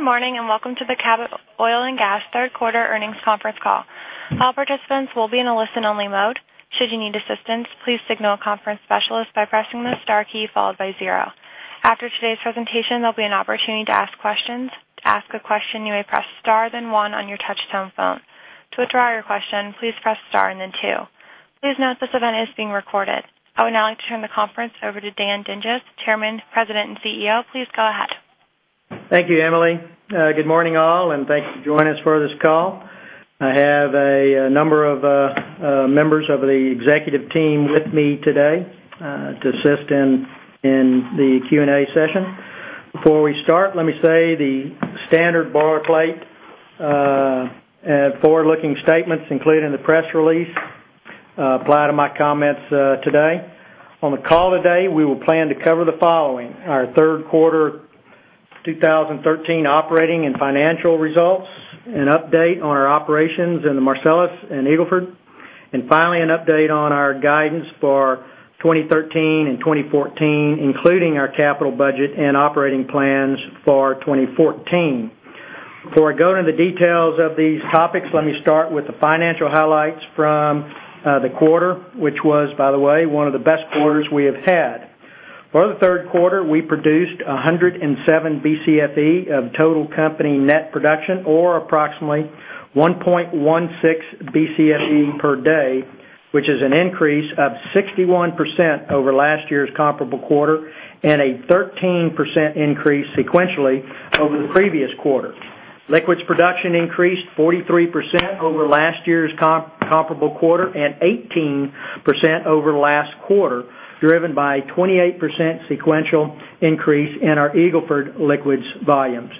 Good morning. Welcome to the Cabot Oil & Gas Corporation third quarter earnings conference call. All participants will be in a listen-only mode. Should you need assistance, please signal a conference specialist by pressing the star key, followed by zero. After today's presentation, there will be an opportunity to ask questions. To ask a question, you may press star, then one on your touch-tone phone. To withdraw your question, please press star and then two. Please note this event is being recorded. I would now like to turn the conference over to Dan Dinges, Chairman, President, and CEO. Please go ahead. Thank you, Emily. Good morning, all. Thank you for joining us for this call. I have a number of members of the executive team with me today to assist in the Q&A session. Before we start, let me say the standard boilerplate forward-looking statements included in the press release apply to my comments today. On the call today, we will plan to cover the following: our third quarter 2013 operating and financial results, an update on our operations in the Marcellus and Eagle Ford, and finally, an update on our guidance for 2013 and 2014, including our capital budget and operating plans for 2014. Before I go into the details of these topics, let me start with the financial highlights from the quarter, which was, by the way, one of the best quarters we have had. For the third quarter, we produced 107 BCFE of total company net production, or approximately 1.16 BCFE per day, which is an increase of 61% over last year's comparable quarter and a 13% increase sequentially over the previous quarter. Liquids production increased 43% over last year's comparable quarter and 18% over last quarter, driven by a 28% sequential increase in our Eagle Ford liquids volumes.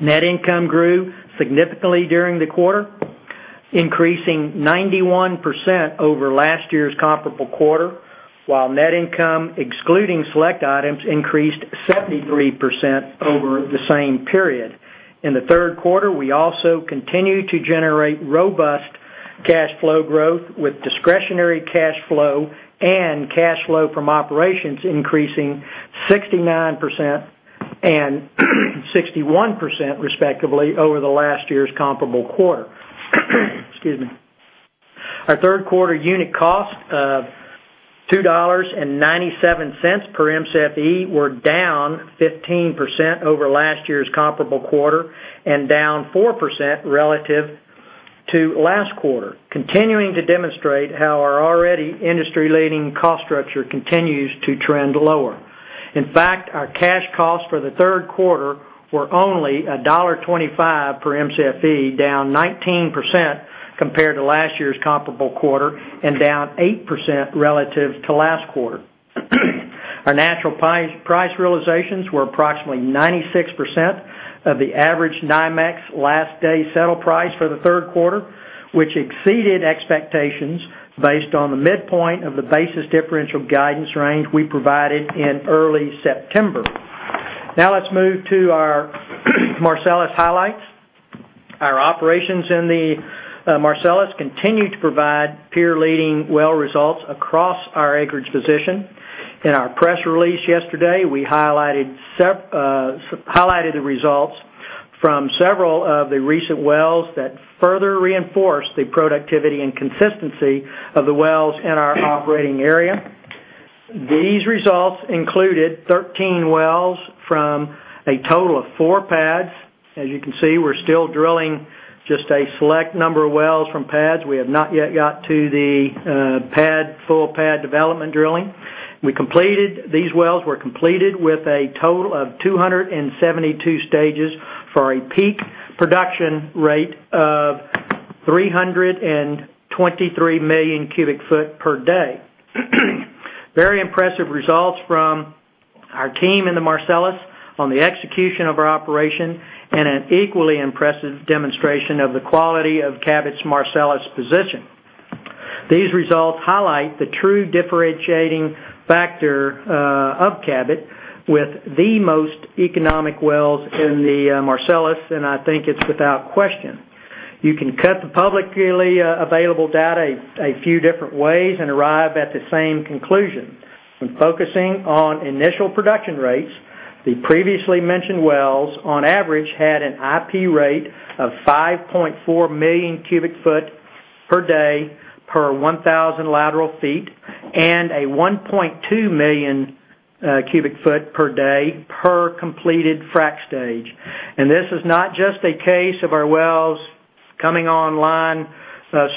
Net income grew significantly during the quarter, increasing 91% over last year's comparable quarter, while net income, excluding select items, increased 73% over the same period. In the third quarter, we also continued to generate robust cash flow growth, with discretionary cash flow and cash flow from operations increasing 69% and 61%, respectively, over the last year's comparable quarter. Excuse me. Our third quarter unit cost of $2.97 per MCFE were down 15% over last year's comparable quarter and down 4% relative to last quarter, continuing to demonstrate how our already industry-leading cost structure continues to trend lower. In fact, our cash costs for the third quarter were only $1.25 per MCFE, down 19% compared to last year's comparable quarter and down 8% relative to last quarter. Our natural price realizations were approximately 96% of the average NYMEX last day settle price for the third quarter, which exceeded expectations based on the midpoint of the basis differential guidance range we provided in early September. Let's move to our Marcellus highlights. Our operations in the Marcellus continue to provide peer-leading well results across our acreage position. In our press release yesterday, we highlighted the results from several of the recent wells that further reinforce the productivity and consistency of the wells in our operating area. These results included 13 wells from a total of four pads. As you can see, we are still drilling just a select number of wells from pads. We have not yet got to the full pad development drilling. These wells were completed with a total of 272 stages for a peak production rate of 323 million cubic foot per day. Very impressive results from our team in the Marcellus on the execution of our operation and an equally impressive demonstration of the quality of Cabot's Marcellus position. These results highlight the true differentiating factor of Cabot with the most economic wells in the Marcellus, and I think it is without question. You can cut the publicly available data a few different ways and arrive at the same conclusion. When focusing on initial production rates, the previously mentioned wells, on average, had an IP rate of 5.4 million cubic foot per day per 1,000 lateral feet and a 1.2 million cubic foot per day per completed frack stage. This is not just a case of our wells coming online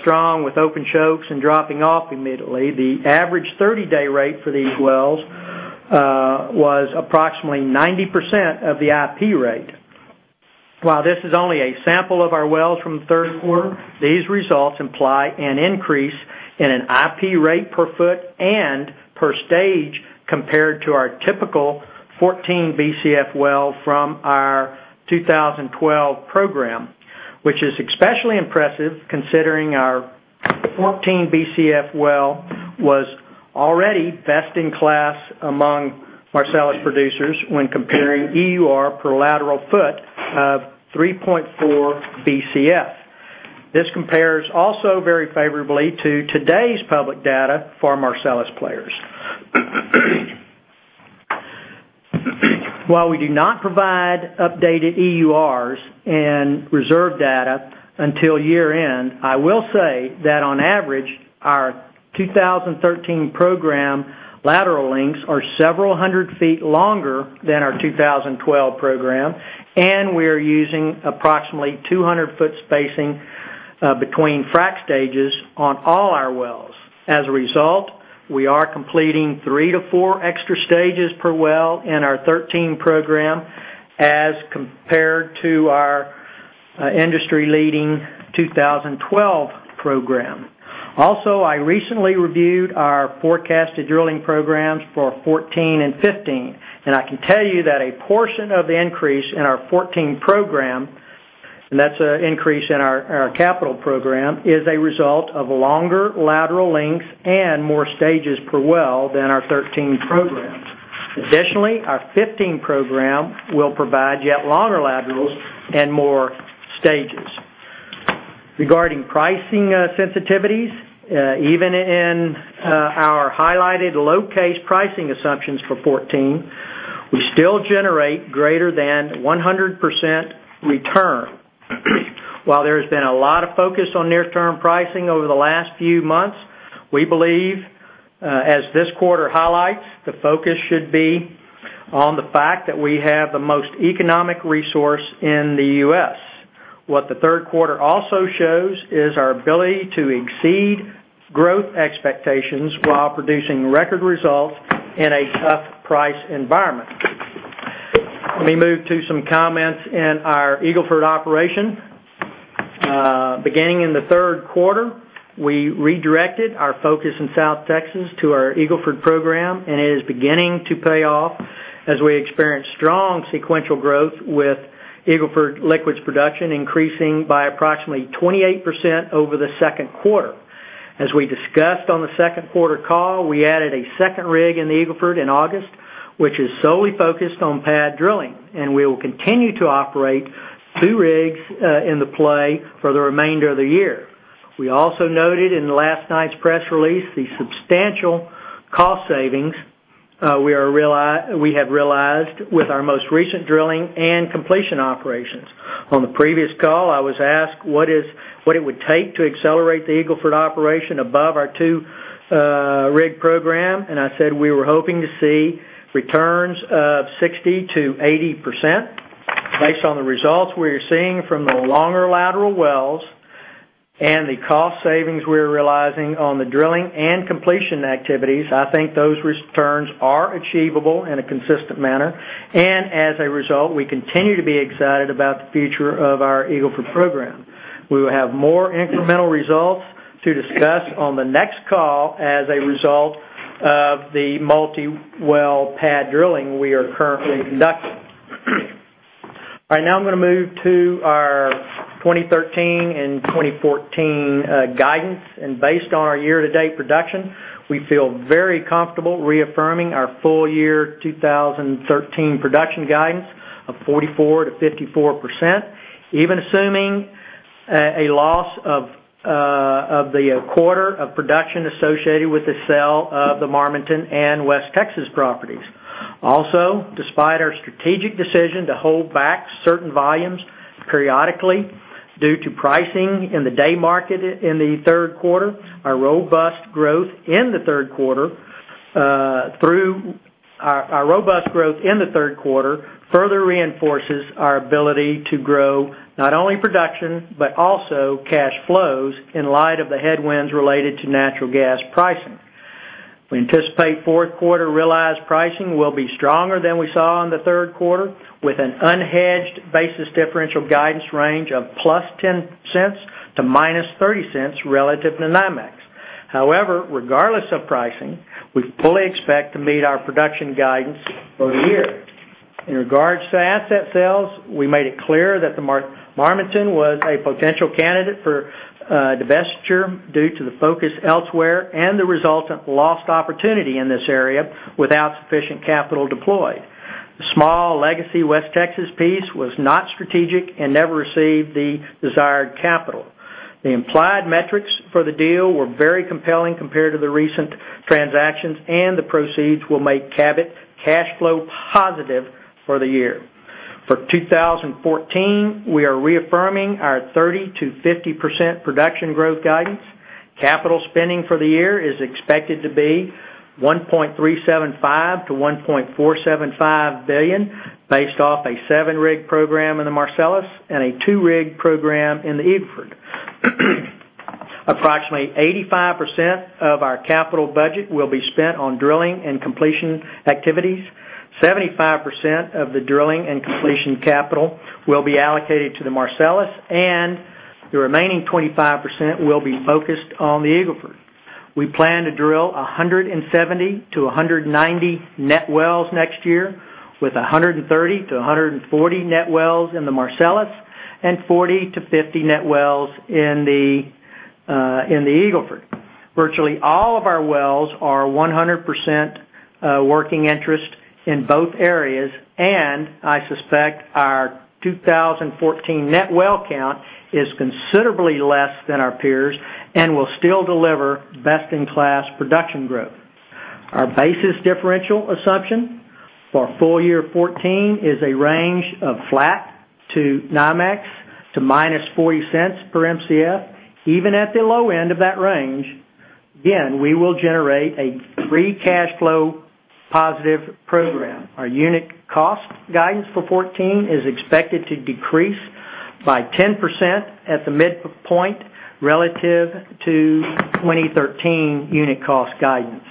strong with open chokes and dropping off immediately. The average 30-day rate for these wells was approximately 90% of the IP rate. While this is only a sample of our wells from the third quarter, these results imply an increase in an IP rate per foot and per stage compared to our typical 14 BCF well from our 2012 program, which is especially impressive considering our 14 BCF well was already best in class among Marcellus producers when comparing EUR per lateral foot of 3.4 BCF. This compares also very favorably to today's public data for Marcellus players. While we do not provide updated EURs and reserve data until year-end, I will say that on average, our 2013 program lateral lengths are several hundred feet longer than our 2012 program, and we are using approximately 200-foot spacing between frack stages on all our wells. As a result, we are completing three to four extra stages per well in our 2013 program as compared to our industry-leading 2012 program. Also, I recently reviewed our forecasted drilling programs for 2014 and 2015, and I can tell you that a portion of the increase in our 2014 program, and that is an increase in our capital program, is a result of longer lateral lengths and more stages per well than our 2013 programs. Additionally, our 2015 program will provide yet longer laterals and more stages. Regarding pricing sensitivities, even in our highlighted low case pricing assumptions for 2014, we still generate greater than 100% return. While there has been a lot of focus on near-term pricing over the last few months, we believe, as this quarter highlights, the focus should be on the fact that we have the most economic resource in the U.S. What the third quarter also shows is our ability to exceed growth expectations while producing record results in a tough price environment. Let me move to some comments in our Eagle Ford operation. Beginning in the third quarter, we redirected our focus in South Texas to our Eagle Ford program. It is beginning to pay off as we experience strong sequential growth with Eagle Ford liquids production increasing by approximately 28% over the second quarter. As we discussed on the second quarter call, we added a second rig in the Eagle Ford in August, which is solely focused on pad drilling. We will continue to operate 2 rigs in the play for the remainder of the year. We also noted in last night's press release the substantial cost savings we have realized with our most recent drilling and completion operations. On the previous call, I was asked what it would take to accelerate the Eagle Ford operation above our 2-rig program. I said we were hoping to see returns of 60%-80%. Based on the results we are seeing from the longer lateral wells and the cost savings we're realizing on the drilling and completion activities, I think those returns are achievable in a consistent manner. As a result, we continue to be excited about the future of our Eagle Ford program. We will have more incremental results to discuss on the next call as a result of the multi-well pad drilling we are currently conducting. All right, now I'm going to move to our 2013 and 2014 guidance. Based on our year-to-date production, we feel very comfortable reaffirming our full year 2013 production guidance of 44%-54%, even assuming a loss of the quarter of production associated with the sale of the Marmaton and West Texas properties. Also, despite our strategic decision to hold back certain volumes periodically due to pricing in the day market in the third quarter, our robust growth in the third quarter further reinforces our ability to grow not only production, but also cash flows in light of the headwinds related to natural gas pricing. We anticipate fourth quarter realized pricing will be stronger than we saw in the third quarter with an unhedged basis differential guidance range of +$0.10 to -$0.30 relative to NYMEX. However, regardless of pricing, we fully expect to meet our production guidance for the year. In regards to asset sales, we made it clear that the Marmaton was a potential candidate for divestiture due to the focus elsewhere and the resultant lost opportunity in this area without sufficient capital deployed. The small legacy West Texas piece was not strategic and never received the desired capital. The implied metrics for the deal were very compelling compared to the recent transactions. The proceeds will make Cabot cash flow positive for the year. For 2014, we are reaffirming our 30%-50% production growth guidance. Capital spending for the year is expected to be $1.375 billion-$1.475 billion, based off a 7-rig program in the Marcellus and a 2-rig program in the Eagle Ford. Approximately 85% of our capital budget will be spent on drilling and completion activities. 75% of the drilling and completion capital will be allocated to the Marcellus, and the remaining 25% will be focused on the Eagle Ford. We plan to drill 170-190 net wells next year, with 130-140 net wells in the Marcellus and 40-50 net wells in the Eagle Ford. Virtually all of our wells are 100% working interest in both areas, and I suspect our 2014 net well count is considerably less than our peers and will still deliver best-in-class production growth. Our basis differential assumption for full year 2014 is a range of flat to NYMEX to-$0.40 per Mcf. Even at the low end of that range, again, we will generate a free cash flow positive program. Our unit cost guidance for 2014 is expected to decrease by 10% at the midpoint relative to 2013 unit cost guidance.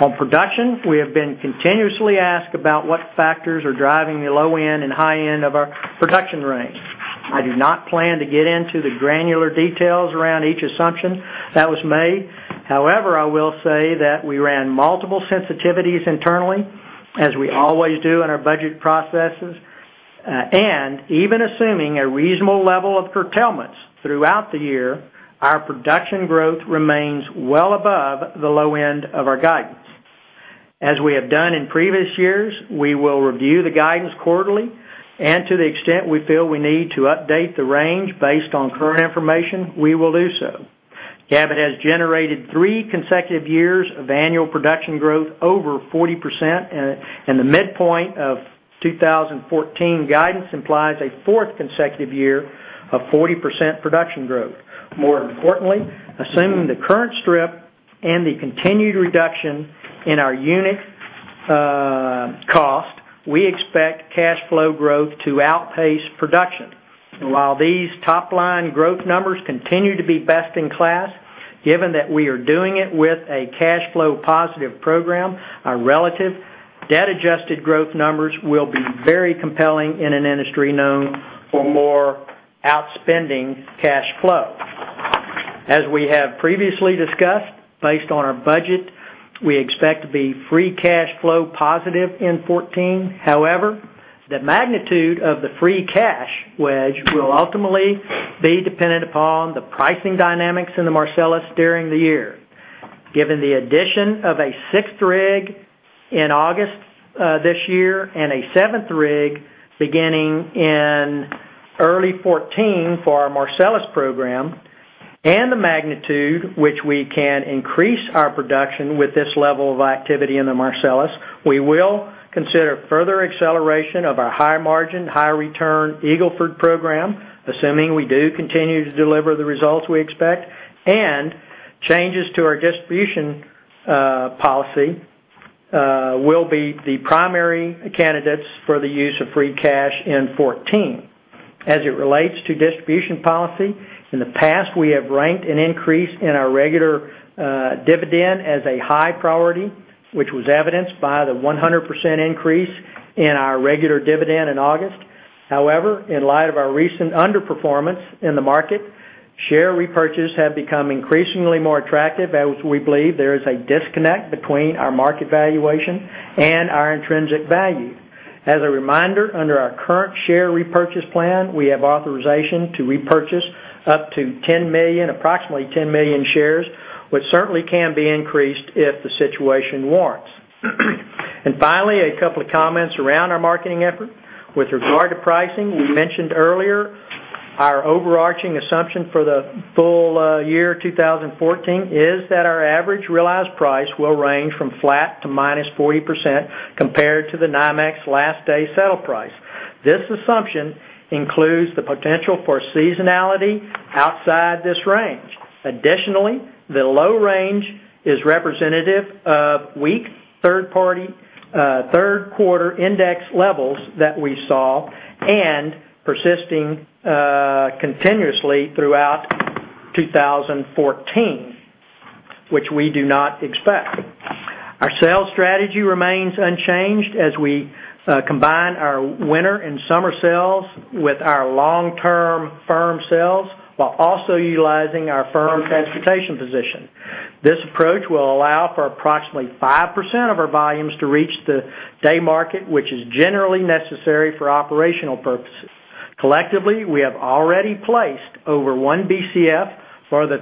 On production, we have been continuously asked about what factors are driving the low end and high end of our production range. I do not plan to get into the granular details around each assumption that was made. However, I will say that we ran multiple sensitivities internally, as we always do in our budget processes. Even assuming a reasonable level of curtailments throughout the year, our production growth remains well above the low end of our guidance. As we have done in previous years, we will review the guidance quarterly, and to the extent we feel we need to update the range based on current information, we will do so. Cabot has generated three consecutive years of annual production growth over 40%, and the midpoint of 2014 guidance implies a fourth consecutive year of 40% production growth. More importantly, assuming the current strip and the continued reduction in our unit cost, we expect cash flow growth to outpace production. While these top-line growth numbers continue to be best in class, given that we are doing it with a cash flow positive program, our relative debt-adjusted growth numbers will be very compelling in an industry known for more outspending cash flow. As we have previously discussed, based on our budget, we expect to be free cash flow positive in 2014. However, the magnitude of the free cash wedge will ultimately be dependent upon the pricing dynamics in the Marcellus during the year. Given the addition of a sixth rig in August this year and a seventh rig beginning in early 2014 for our Marcellus program, and the magnitude which we can increase our production with this level of activity in the Marcellus, we will consider further acceleration of our high margin, high return Eagle Ford program, assuming we do continue to deliver the results we expect. Changes to our distribution policy will be the primary candidates for the use of free cash in 2014. As it relates to distribution policy, in the past, we have ranked an increase in our regular dividend as a high priority, which was evidenced by the 100% increase in our regular dividend in August. However, in light of our recent underperformance in the market, share repurchases have become increasingly more attractive, as we believe there is a disconnect between our market valuation and our intrinsic value. As a reminder, under our current share repurchase plan, we have authorization to repurchase up to approximately 10 million shares, which certainly can be increased if the situation warrants. Finally, a couple of comments around our marketing effort. With regard to pricing, we mentioned earlier our overarching assumption for the full year 2014 is that our average realized price will range from flat to -40% compared to the NYMEX last day sale price. This assumption includes the potential for seasonality outside this range. Additionally, the low range is representative of weak third-quarter index levels that we saw, and persisting continuously throughout 2014, which we do not expect. Our sales strategy remains unchanged as we combine our winter and summer sales with our long-term firm sales, while also utilizing our firm transportation position. This approach will allow for approximately 5% of our volumes to reach the day market, which is generally necessary for operational purposes. Collectively, we have already placed over 1 Bcf for the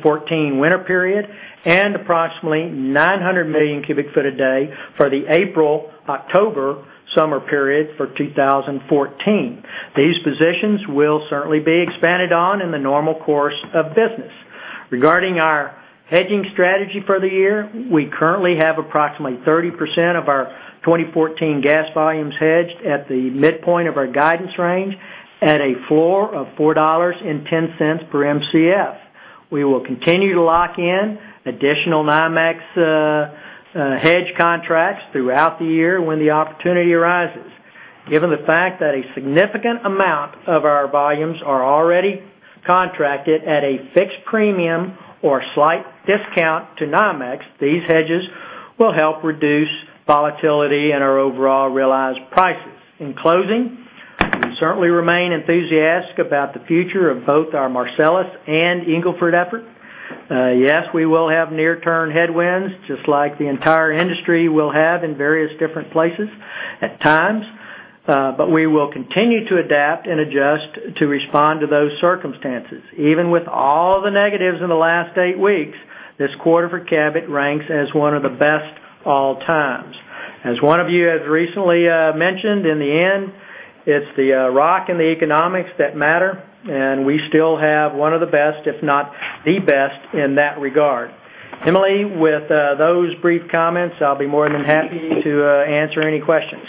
2013-2014 winter period and approximately 900 million cubic feet a day for the April-October summer period for 2014. These positions will certainly be expanded on in the normal course of business. Regarding our hedging strategy for the year, we currently have approximately 30% of our 2014 gas volumes hedged at the midpoint of our guidance range at a floor of $4.10 per Mcf. We will continue to lock in additional NYMEX hedge contracts throughout the year when the opportunity arises. Given the fact that a significant amount of our volumes are already contracted at a fixed premium or slight discount to NYMEX, these hedges will help reduce volatility in our overall realized prices. In closing, we certainly remain enthusiastic about the future of both our Marcellus and Eagle Ford effort. Yes, we will have near-term headwinds, just like the entire industry will have in various different places at times. We will continue to adapt and adjust to respond to those circumstances. Even with all the negatives in the last eight weeks, this quarter for Cabot ranks as one of the best all time. As one of you has recently mentioned, in the end, it's the rock and the economics that matter, and we still have one of the best, if not the best, in that regard. Emily, with those brief comments, I'll be more than happy to answer any questions.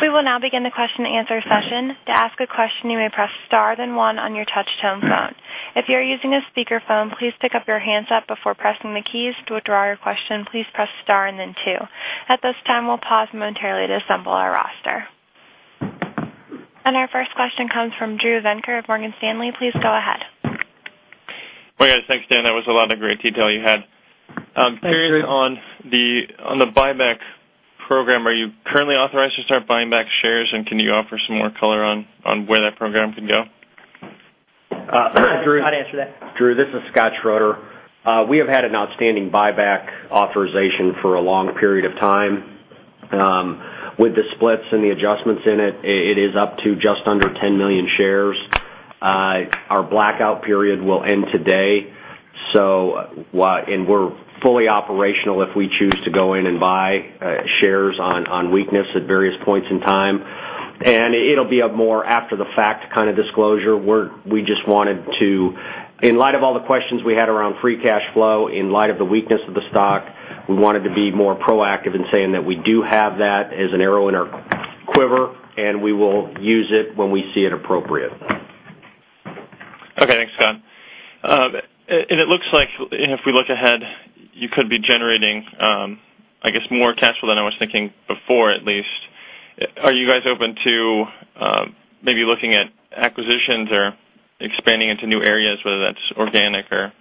We will now begin the question and answer session. To ask a question, you may press star then one on your touchtone phone. If you're using a speakerphone, please pick up your handset before pressing the keys. To withdraw your question, please press star and then two. At this time, we'll pause momentarily to assemble our roster. Our first question comes from Drew Venker of Morgan Stanley. Please go ahead. Well, guys, thanks. Dan, that was a lot of great detail you had. Hi, Drew. On the buyback program, are you currently authorized to start buying back shares? Can you offer some more color on where that program could go? I'll answer that. Drew, this is Scott Schroeder. We have had an outstanding buyback authorization for a long period of time. With the splits and the adjustments in it is up to just under 10 million shares. We're fully operational if we choose to go in and buy shares on weakness at various points in time. It'll be a more after the fact disclosure, where we just wanted to, in light of all the questions we had around free cash flow, in light of the weakness of the stock, we wanted to be more proactive in saying that we do have that as an arrow in our quiver, and we will use it when we see it appropriate. Okay, thanks, Scott. It looks like if we look ahead, you could be generating more cash flow than I was thinking before, at least. Are you guys open to maybe looking at acquisitions or expanding into new areas, whether that's organic or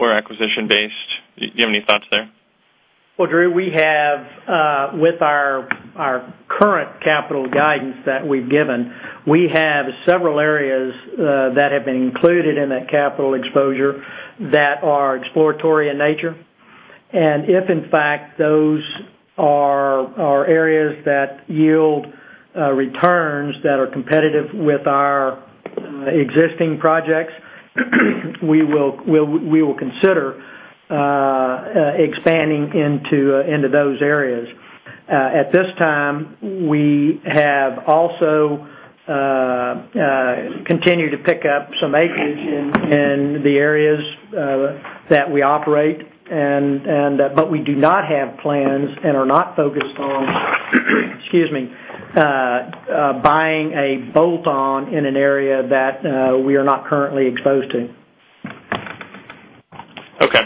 acquisition based? Do you have any thoughts there? Well, Drew, with our current capital guidance that we've given, we have several areas that have been included in that capital exposure that are exploratory in nature. If in fact those are areas that yield returns that are competitive with our existing projects, we will consider expanding into those areas. At this time, we have also continued to pick up some acreage in the areas that we operate. We do not have plans and are not focused on, excuse me, buying a bolt-on in an area that we are not currently exposed to. Okay.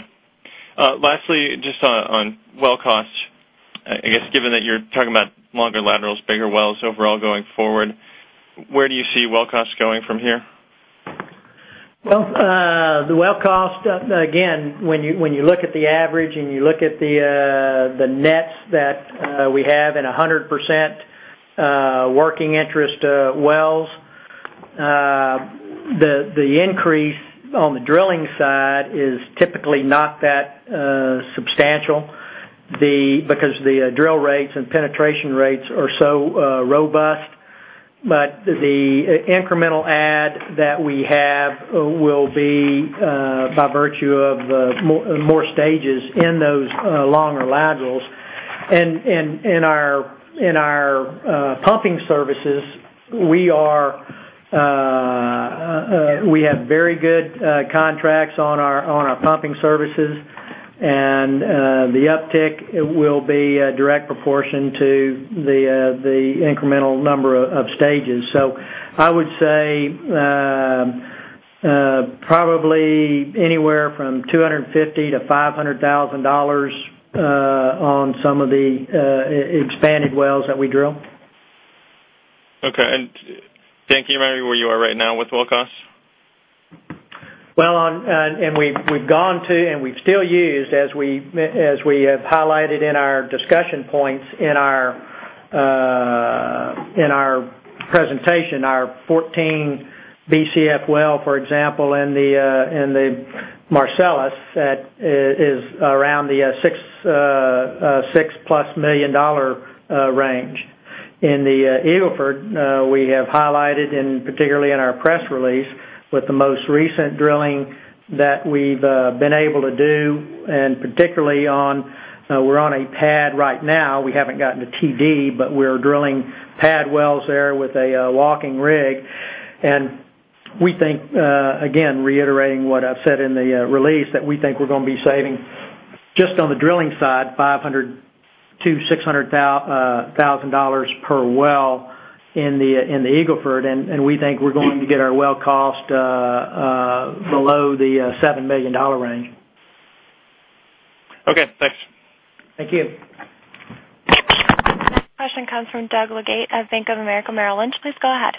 Lastly, just on well costs, I guess given that you're talking about longer laterals, bigger wells overall going forward, where do you see well costs going from here? Well, the well cost, again, when you look at the average and you look at the nets that we have in 100% working interest wells, the increase on the drilling side is typically not that substantial, because the drill rates and penetration rates are so robust. The incremental add that we have will be by virtue of more stages in those longer laterals. In our pumping services, we have very good contracts on our pumping services, and the uptick will be a direct proportion to the incremental number of stages. I would say probably anywhere from $250,000 to $500,000 on some of the expanded wells that we drill. Okay. Dan, can you remind me where you are right now with well costs? Well, we've still used, as we have highlighted in our discussion points in our presentation, our 14 BCF well, for example, in the Marcellus, that is around the six plus million dollar range. In the Eagle Ford, we have highlighted, particularly in our press release, with the most recent drilling that we've been able to do, we're on a pad right now. We haven't gotten to TD, we're drilling pad wells there with a walking rig. We think, again, reiterating what I've said in the release, that we think we're going to be saving, just on the drilling side, $500,000 to $600,000 per well in the Eagle Ford, and we think we're going to get our well cost below the $7 million range. Okay, thanks. Thank you. Next question comes from Doug Leggate at Bank of America, Merrill Lynch. Please go ahead.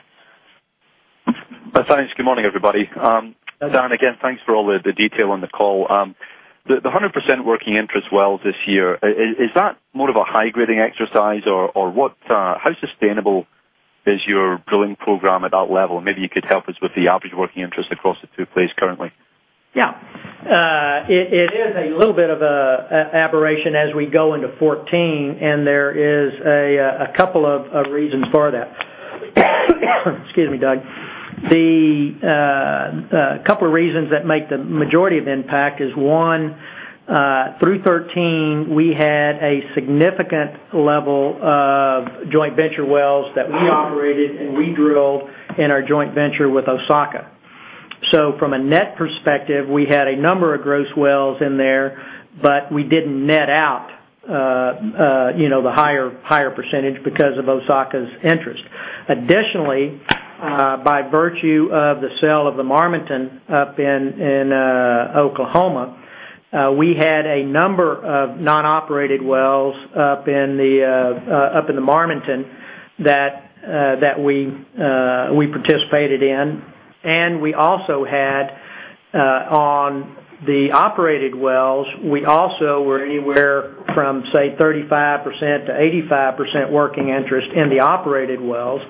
Thanks. Good morning, everybody. Good morning. Dan, again, thanks for all the detail on the call. The 100% working interest wells this year, is that more of a high grading exercise, or how sustainable is your drilling program at that level? Maybe you could help us with the average working interest across the two plays currently. Yeah. It is a little bit of an aberration as we go into 2014, there is a couple of reasons for that. Excuse me, Doug. The couple of reasons that make the majority of impact is one, through 2013, we had a significant level of joint venture wells that we operated and we drilled in our joint venture with Osaka. From a net perspective, we had a number of gross wells in there, but we didn't net out the higher percentage because of Osaka's interest. Additionally, by virtue of the sale of the Marmaton up in Oklahoma, we had a number of non-operated wells up in the Marmaton that we participated in, and we also had on the operated wells, we also were anywhere from, say, 35%-85% working interest in the operated wells.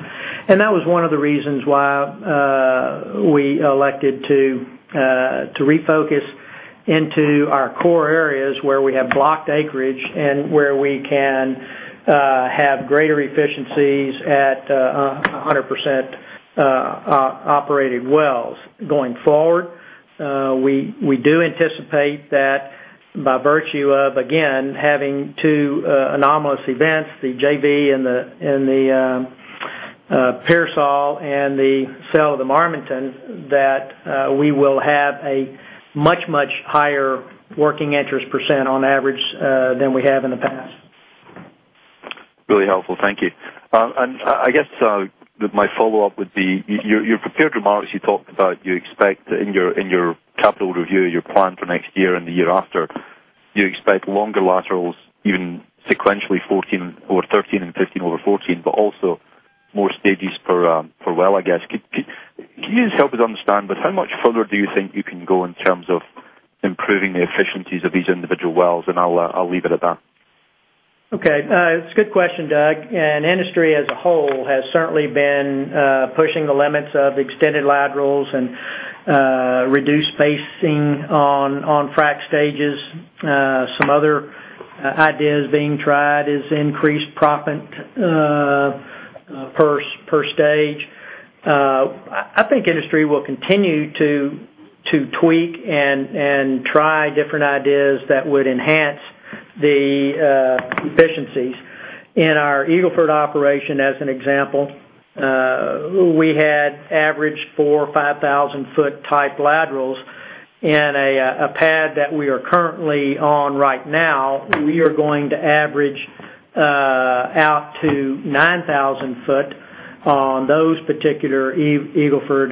That was one of the reasons why we elected to refocus into our core areas, where we have blocked acreage and where we can have greater efficiencies at 100% operated wells. Going forward, we do anticipate that by virtue of, again, having two anomalous events, the JV and the Pearsall and the sale of the Marmaton, that we will have a much, much higher working interest % on average, than we have in the past. Really helpful. Thank you. I guess my follow-up would be, your prepared remarks you talked about, you expect in your capital review, your plan for next year and the year after, you expect longer laterals, even sequentially, 2014 over 2013 and 2015 over 2014, also more stages per well, I guess. Can you just help us understand, how much further do you think you can go in terms of improving the efficiencies of these individual wells? I'll leave it at that. Okay. It's a good question, Doug. Industry as a whole has certainly been pushing the limits of extended laterals and reduced spacing on frack stages. Some other ideas being tried is increased proppant per stage. I think industry will continue to tweak and try different ideas that would enhance the efficiencies. In our Eagle Ford operation, as an example, we had averaged 4 or 5 thousand foot type laterals in a pad that we are currently on right now. We are going to average out to 9,000 foot on those particular Eagle Ford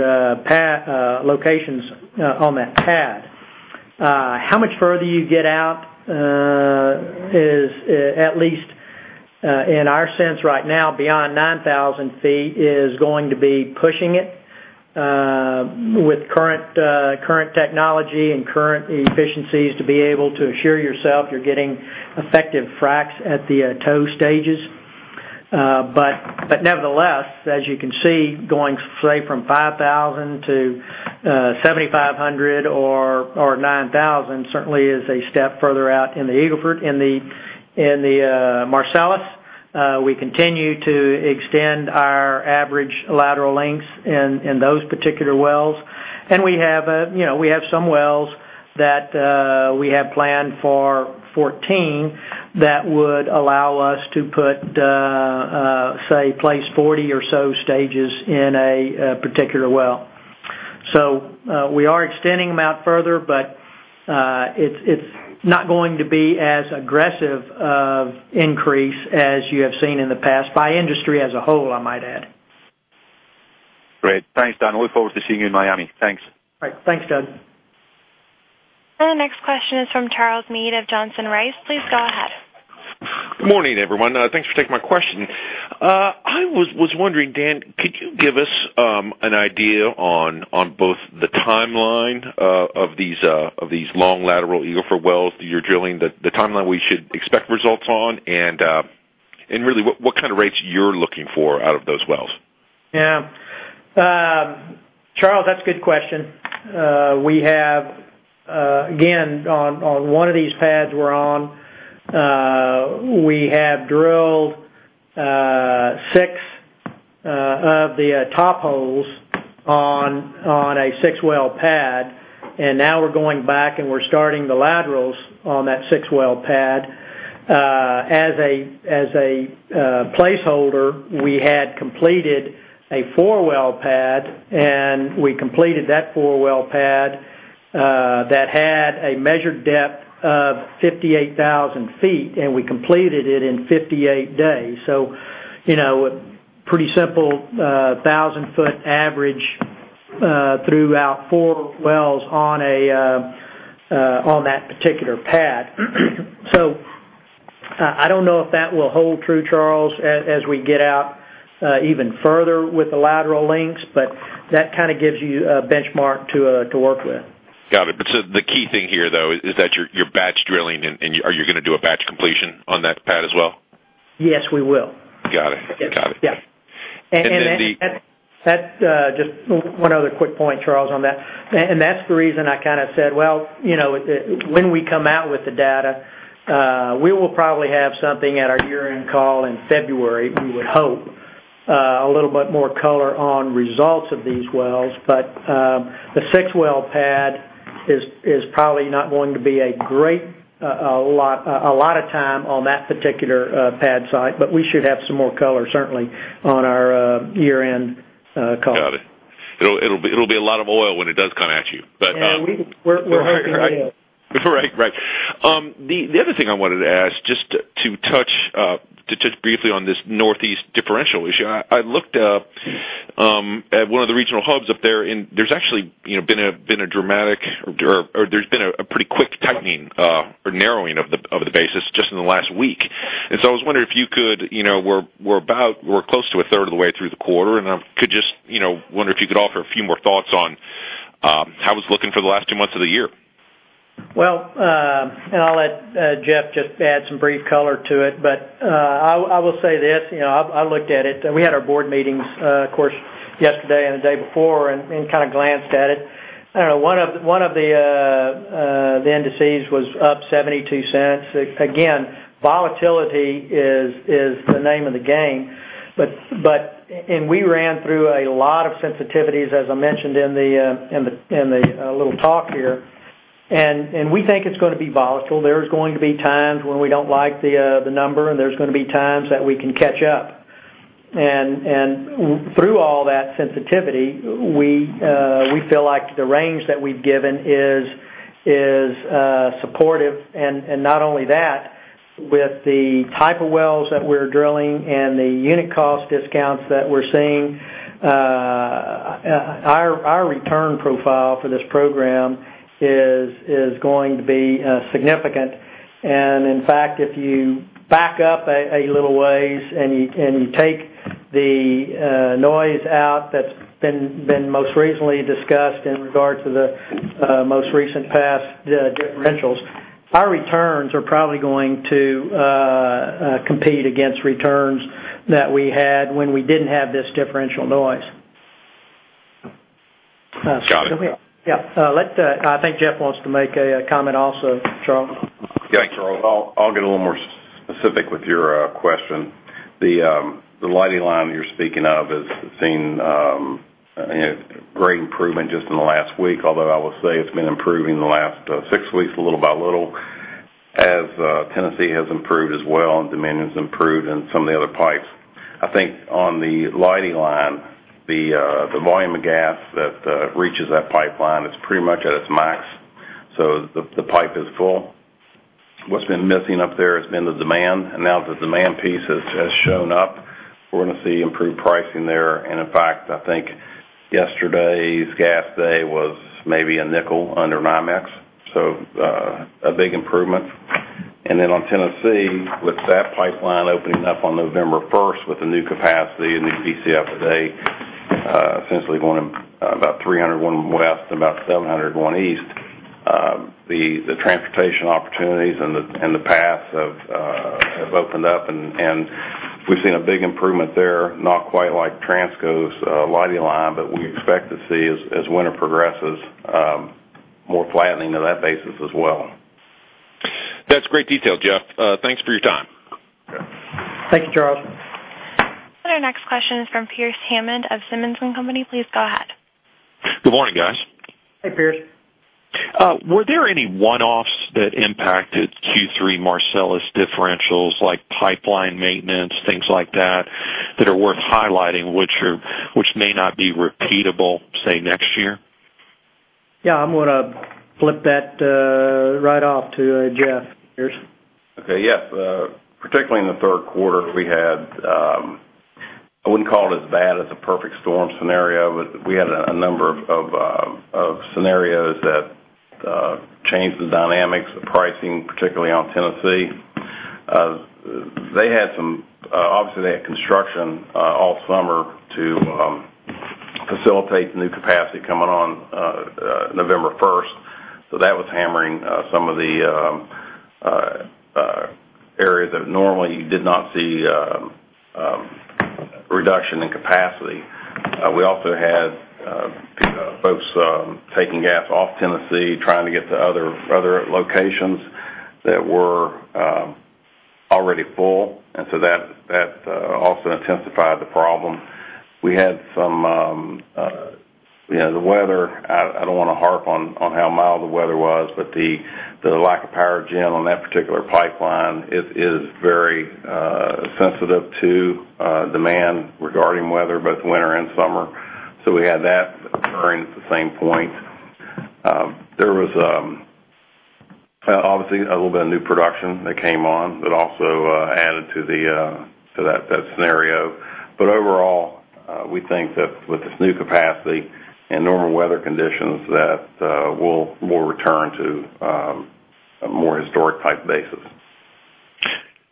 locations on that pad. How much further you get out is, at least in our sense right now, beyond 9,000 feet is going to be pushing it, with current technology and current efficiencies, to be able to assure yourself you're getting effective fracks at the toe stages. Nevertheless, as you can see, going, say, from 5,000 to 7,500 or 9,000 certainly is a step further out in the Eagle Ford. In the Marcellus, we continue to extend our average lateral lengths in those particular wells. We have some wells that we have planned for 2014 that would allow us to place 40 or so stages in a particular well. We are extending them out further. It's not going to be as aggressive of increase as you have seen in the past, by industry as a whole, I might add. Great. Thanks, Dan. Look forward to seeing you in Miami. Thanks. All right. Thanks, Doug. The next question is from Charles Meade of Johnson Rice. Please go ahead. Good morning, everyone. Thanks for taking my question. I was wondering, Dan, could you give us an idea on both the timeline of these long lateral Eagle Ford wells that you're drilling, the timeline we should expect results on, and really, what kind of rates you're looking for out of those wells? Yeah, Charles, that's a good question. We have, again, on one of these pads we're on, we have drilled six of the top holes on a six-well pad, and now we're going back and we're starting the laterals on that six-well pad. As a placeholder, we had completed a four-well pad, and we completed that four-well pad that had a measured depth of 58,000 feet, and we completed it in 58 days. A pretty simple thousand-foot average throughout four wells on that particular pad. I don't know if that will hold true, Charles, as we get out even further with the lateral lengths, but that gives you a benchmark to work with. Got it. The key thing here, though, is that you're batch drilling, and are you going to do a batch completion on that pad as well? Yes, we will. Got it. Yes. And then the- Just one other quick point, Charles, on that. That's the reason I said, well, when we come out with the data. We will probably have something at our year-end call in February, we would hope, a little bit more color on results of these wells. The six-well pad is probably not going to be a great lot of time on that particular pad site, but we should have some more color, certainly, on our year-end call. Got it. It'll be a lot of oil when it does come at you. Yeah. We're hoping, yeah. Right. The other thing I wanted to ask, just to touch briefly on this Northeast differential issue. I looked up at one of the regional hubs up there's actually been a dramatic, or there's been a pretty quick tightening or narrowing of the basis just in the last week. I was wondering if you could We're close to a third of the way through the quarter, and I wonder if you could offer a few more thoughts on how it's looking for the last two months of the year. Well, I'll let Jeff just add some brief color to it, I will say this. I looked at it. We had our board meetings, of course, yesterday and the day before, and kind of glanced at it. I don't know, one of the indices was up $0.72. Again, volatility is the name of the game. We ran through a lot of sensitivities, as I mentioned in the little talk here. We think it's going to be volatile. There's going to be times when we don't like the number, there's going to be times that we can catch up. Through all that sensitivity, we feel like the range that we've given is supportive. Not only that, with the type of wells that we're drilling and the unit cost discounts that we're seeing, our return profile for this program is going to be significant. In fact, if you back up a little ways, you take the noise out that's been most recently discussed in regard to the most recent past differentials, our returns are probably going to compete against returns that we had when we didn't have this differential noise. Got it. I think Jeff wants to make a comment also, Charles. Yeah. Thanks, Charles. I'll get a little more specific with your question. The Leidy Line that you're speaking of has seen great improvement just in the last week, although I will say it's been improving the last 6 weeks, little by little, as Tennessee has improved as well, demand has improved, some of the other pipes. I think on the Leidy Line, the volume of gas that reaches that pipeline is pretty much at its max. The pipe is full. What's been missing up there has been the demand. Now the demand piece has shown up. We're going to see improved pricing there. In fact, I think yesterday's gas day was maybe a nickel under NYMEX, a big improvement. On Tennessee, with that pipeline opening up on November 1st with the new capacity and the Bcf a day, essentially going about 300 going west and about 700 going east, the transportation opportunities and the paths have opened up, and we've seen a big improvement there. Not quite like Transco's Leidy Line, but we expect to see, as winter progresses, more flattening of that basis as well. That's great detail, Jeff. Thanks for your time. Okay. Thank you, Charles. Our next question is from Pearce Hammond of Simmons & Company. Please go ahead. Good morning, guys. Hey, Pearce. Were there any one-offs that impacted Q3 Marcellus differentials, like pipeline maintenance, things like that are worth highlighting, which may not be repeatable, say, next year? Yeah, I'm going to flip that right off to Jeff, Pearce. Okay. Yeah. Particularly in the third quarter, we had, I wouldn't call it as bad as a perfect storm scenario, but we had a number of scenarios that changed the dynamics of pricing, particularly on Tennessee. Obviously, they had construction all summer to facilitate the new capacity coming on November 1st. That was hammering some of the areas that normally you did not see reduction in capacity. We also had folks taking gas off Tennessee, trying to get to other locations that were already full. That also intensified the problem. The weather, I don't want to harp on how mild the weather was, but the lack of power gen on that particular pipeline, it is very sensitive to demand regarding weather, both winter and summer. We had that occurring at the same point. There was obviously a little bit of new production that came on that also added to that scenario. Overall, we think that with this new capacity and normal weather conditions, that we'll return to a more historic type basis.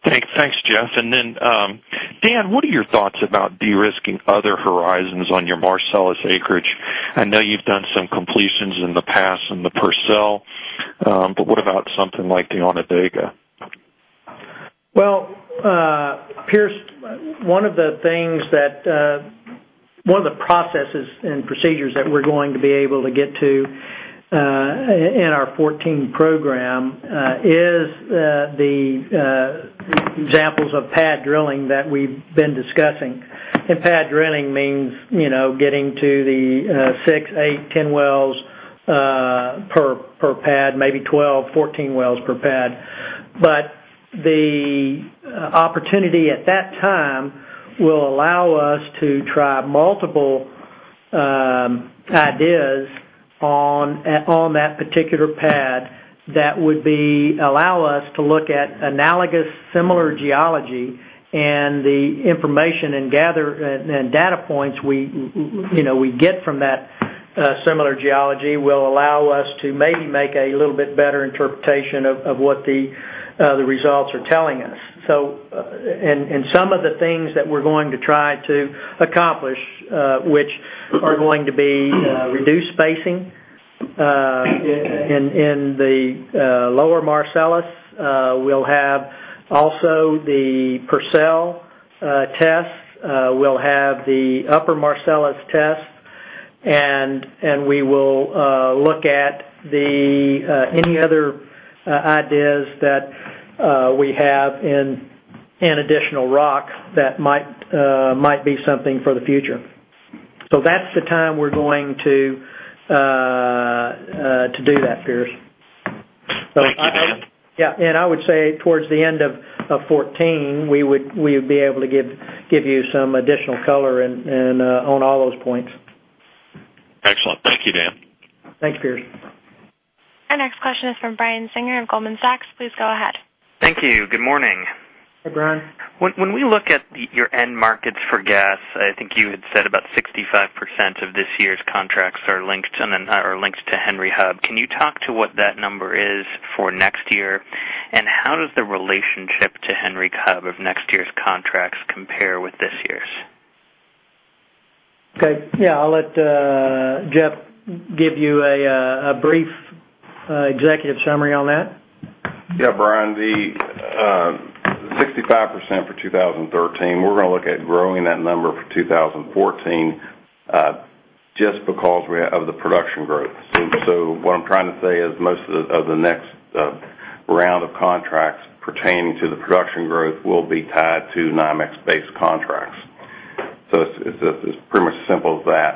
Thanks, Jeff. Dan, what are your thoughts about de-risking other horizons on your Marcellus acreage? I know you've done some completions in the past in the Pearsall, but what about something like the Onondaga? Well, Pearce, one of the processes and procedures that we're going to be able to get to in our 2014 program is the examples of pad drilling that we've been discussing. Pad drilling means getting to the six, eight, 10 wells per pad, maybe 12, 14 wells per pad. The opportunity at that time will allow us to try multiple ideas on that particular pad that would allow us to look at analogous similar geology, and the information and data points we get from that similar geology will allow us to maybe make a little bit better interpretation of what the results are telling us. Some of the things that we're going to try to accomplish, which are going to be reduced spacing in the Lower Marcellus. We'll have also the Pearsall tests, we'll have the Upper Marcellus tests, and we will look at any other ideas that we have in additional rock that might be something for the future. That's the time we're going to do that, Pearce. Thank you, Dan. Yeah. I would say towards the end of 2014, we would be able to give you some additional color on all those points. Excellent. Thank you, Dan. Thanks, Pearce. Our next question is from Brian Singer of Goldman Sachs. Please go ahead. Thank you. Good morning. Hey, Brian. When we look at your end markets for gas, I think you had said about 65% of this year's contracts are linked to Henry Hub. Can you talk to what that number is for next year? How does the relationship to Henry Hub of next year's contracts compare with this year's? Okay. Yeah, I'll let Jeff give you a brief executive summary on that. Yeah, Brian, the 65% for 2013, we're going to look at growing that number for 2014, just because of the production growth. What I'm trying to say is most of the next round of contracts pertaining to the production growth will be tied to NYMEX-based contracts. It's pretty much as simple as that.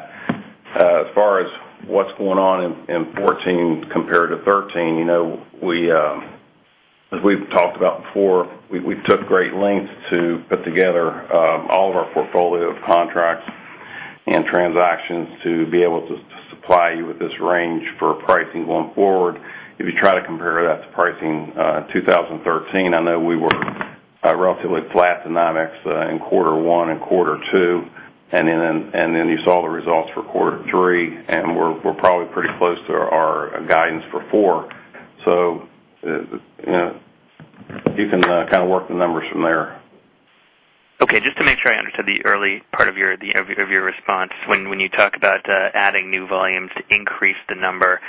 As far as what's going on in 2014 compared to 2013, as we've talked about before, we took great lengths to put together all of our portfolio of contracts and transactions to be able to supply you with this range for pricing going forward. If you try to compare that to pricing 2013, I know we were relatively flat to NYMEX in quarter one and quarter two, then you saw the results for quarter three, we're probably pretty close to our guidance for four. You can work the numbers from there. Okay. Just to make sure I understood the early part of your response, when you talk about adding new volumes to increase the number,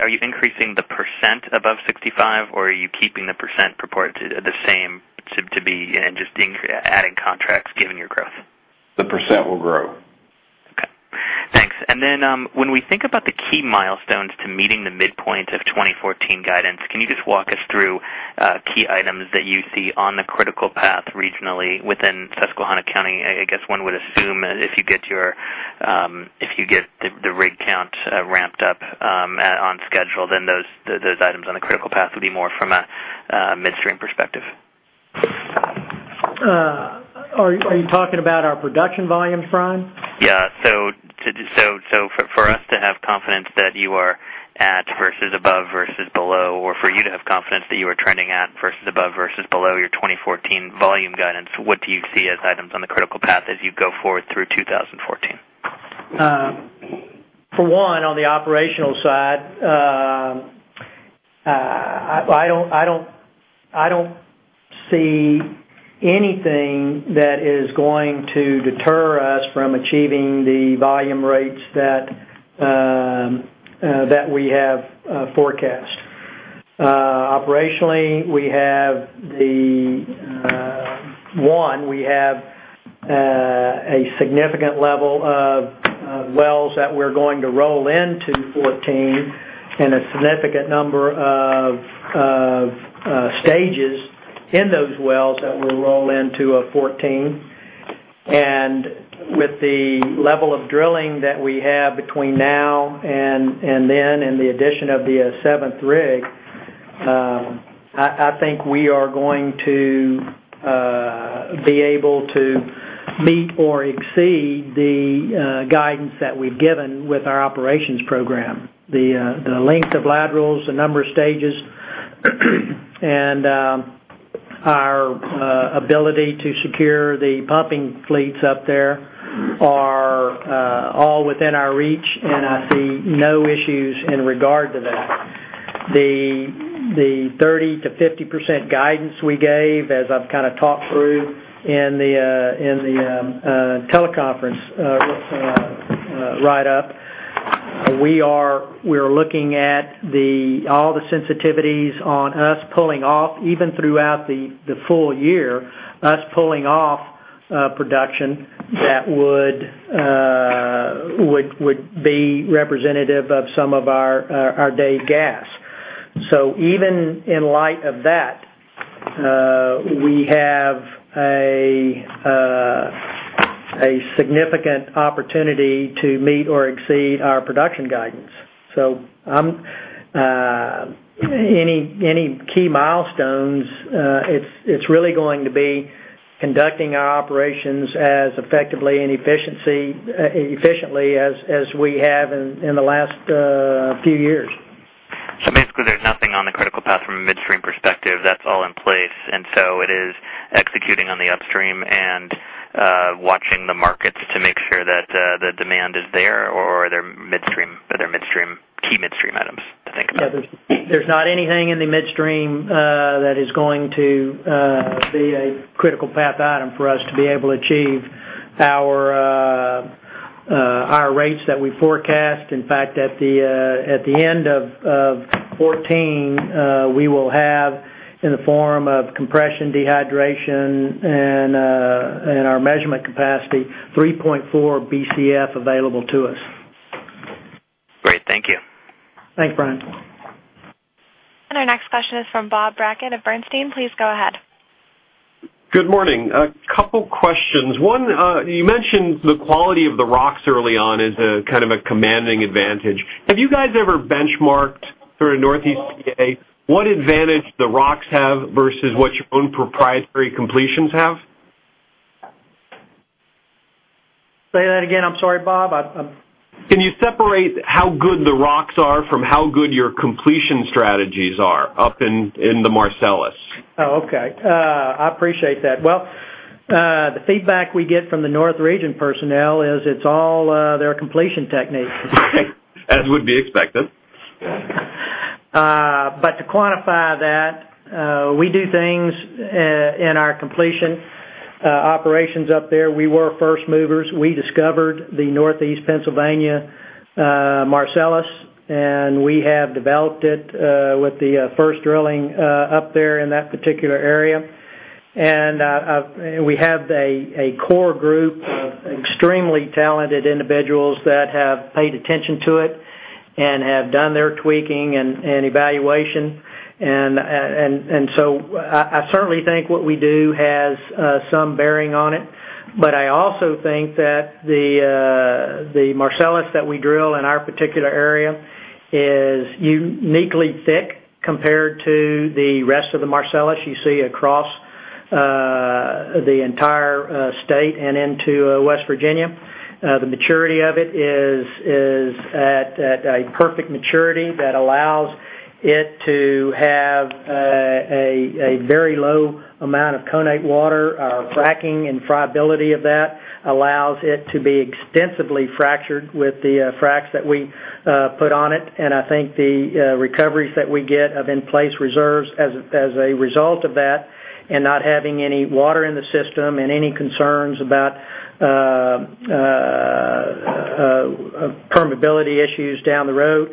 are you increasing the percent above 65%, or are you keeping the percent purported the same to be just adding contracts given your growth? The % will grow. Okay. Thanks. Then when we think about the key milestones to meeting the midpoint of 2014 guidance, can you just walk us through key items that you see on the critical path regionally within Susquehanna County? I guess one would assume if you get the rig count ramped up on schedule, those items on the critical path would be more from a midstream perspective. Are you talking about our production volumes, Brian? Yeah. For us to have confidence that you are at versus above versus below, or for you to have confidence that you are trending at versus above versus below your 2014 volume guidance, what do you see as items on the critical path as you go forward through 2014? For one, on the operational side, I don't see anything that is going to deter us from achieving the volume rates that we have forecast. Operationally, one, we have a significant level of wells that we're going to roll into 2014, and a significant number of stages in those wells that we'll roll into 2014. With the level of drilling that we have between now and then, and the addition of the seventh rig, I think we are going to be able to meet or exceed the guidance that we've given with our operations program. The length of laterals, the number of stages, and our ability to secure the pumping fleets up there are all within our reach, I see no issues in regard to that. The 30%-50% guidance we gave, as I've talked through in the teleconference write-up. We are looking at all the sensitivities on us pulling off, even throughout the full year, us pulling off production that would be representative of some of our day gas. Even in light of that, we have a significant opportunity to meet or exceed our production guidance. Any key milestones, it's really going to be conducting our operations as effectively and efficiently as we have in the last few years. Basically, there's nothing on the critical path from a midstream perspective. That's all in place, it is executing on the upstream and watching the markets to make sure that the demand is there, or are there key midstream items to think about? There's not anything in the midstream that is going to be a critical path item for us to be able to achieve our rates that we forecast. In fact, at the end of 2014, we will have, in the form of compression dehydration and our measurement capacity, 3.4 Bcf available to us. Great. Thank you. Thanks, Brian. Our next question is from Bob Brackett of Bernstein. Please go ahead. Good morning. A couple questions. One, you mentioned the quality of the rocks early on as a kind of a commanding advantage. Have you guys ever benchmarked, sort of Northeast P.A., what advantage the rocks have versus what your own proprietary completions have? Say that again? I'm sorry, Bob. Can you separate how good the rocks are from how good your completion strategies are up in the Marcellus? Okay. I appreciate that. Well, the feedback we get from the north region personnel is it's all their completion techniques. As would be expected. To quantify that, we do things in our completion operations up there. We were first movers. We discovered the Northeast Pennsylvania Marcellus, and we have developed it with the first drilling up there in that particular area. We have a core group of extremely talented individuals that have paid attention to it and have done their tweaking and evaluation. I certainly think what we do has some bearing on it. I also think that the Marcellus that we drill in our particular area is uniquely thick compared to the rest of the Marcellus you see across the entire state and into West Virginia. The maturity of it is at a perfect maturity that allows it to have a very low amount of connate water. Our fracking and friability of that allows it to be extensively fractured with the fracs that we put on it, and I think the recoveries that we get of in-place reserves as a result of that, and not having any water in the system and any concerns about permeability issues down the road,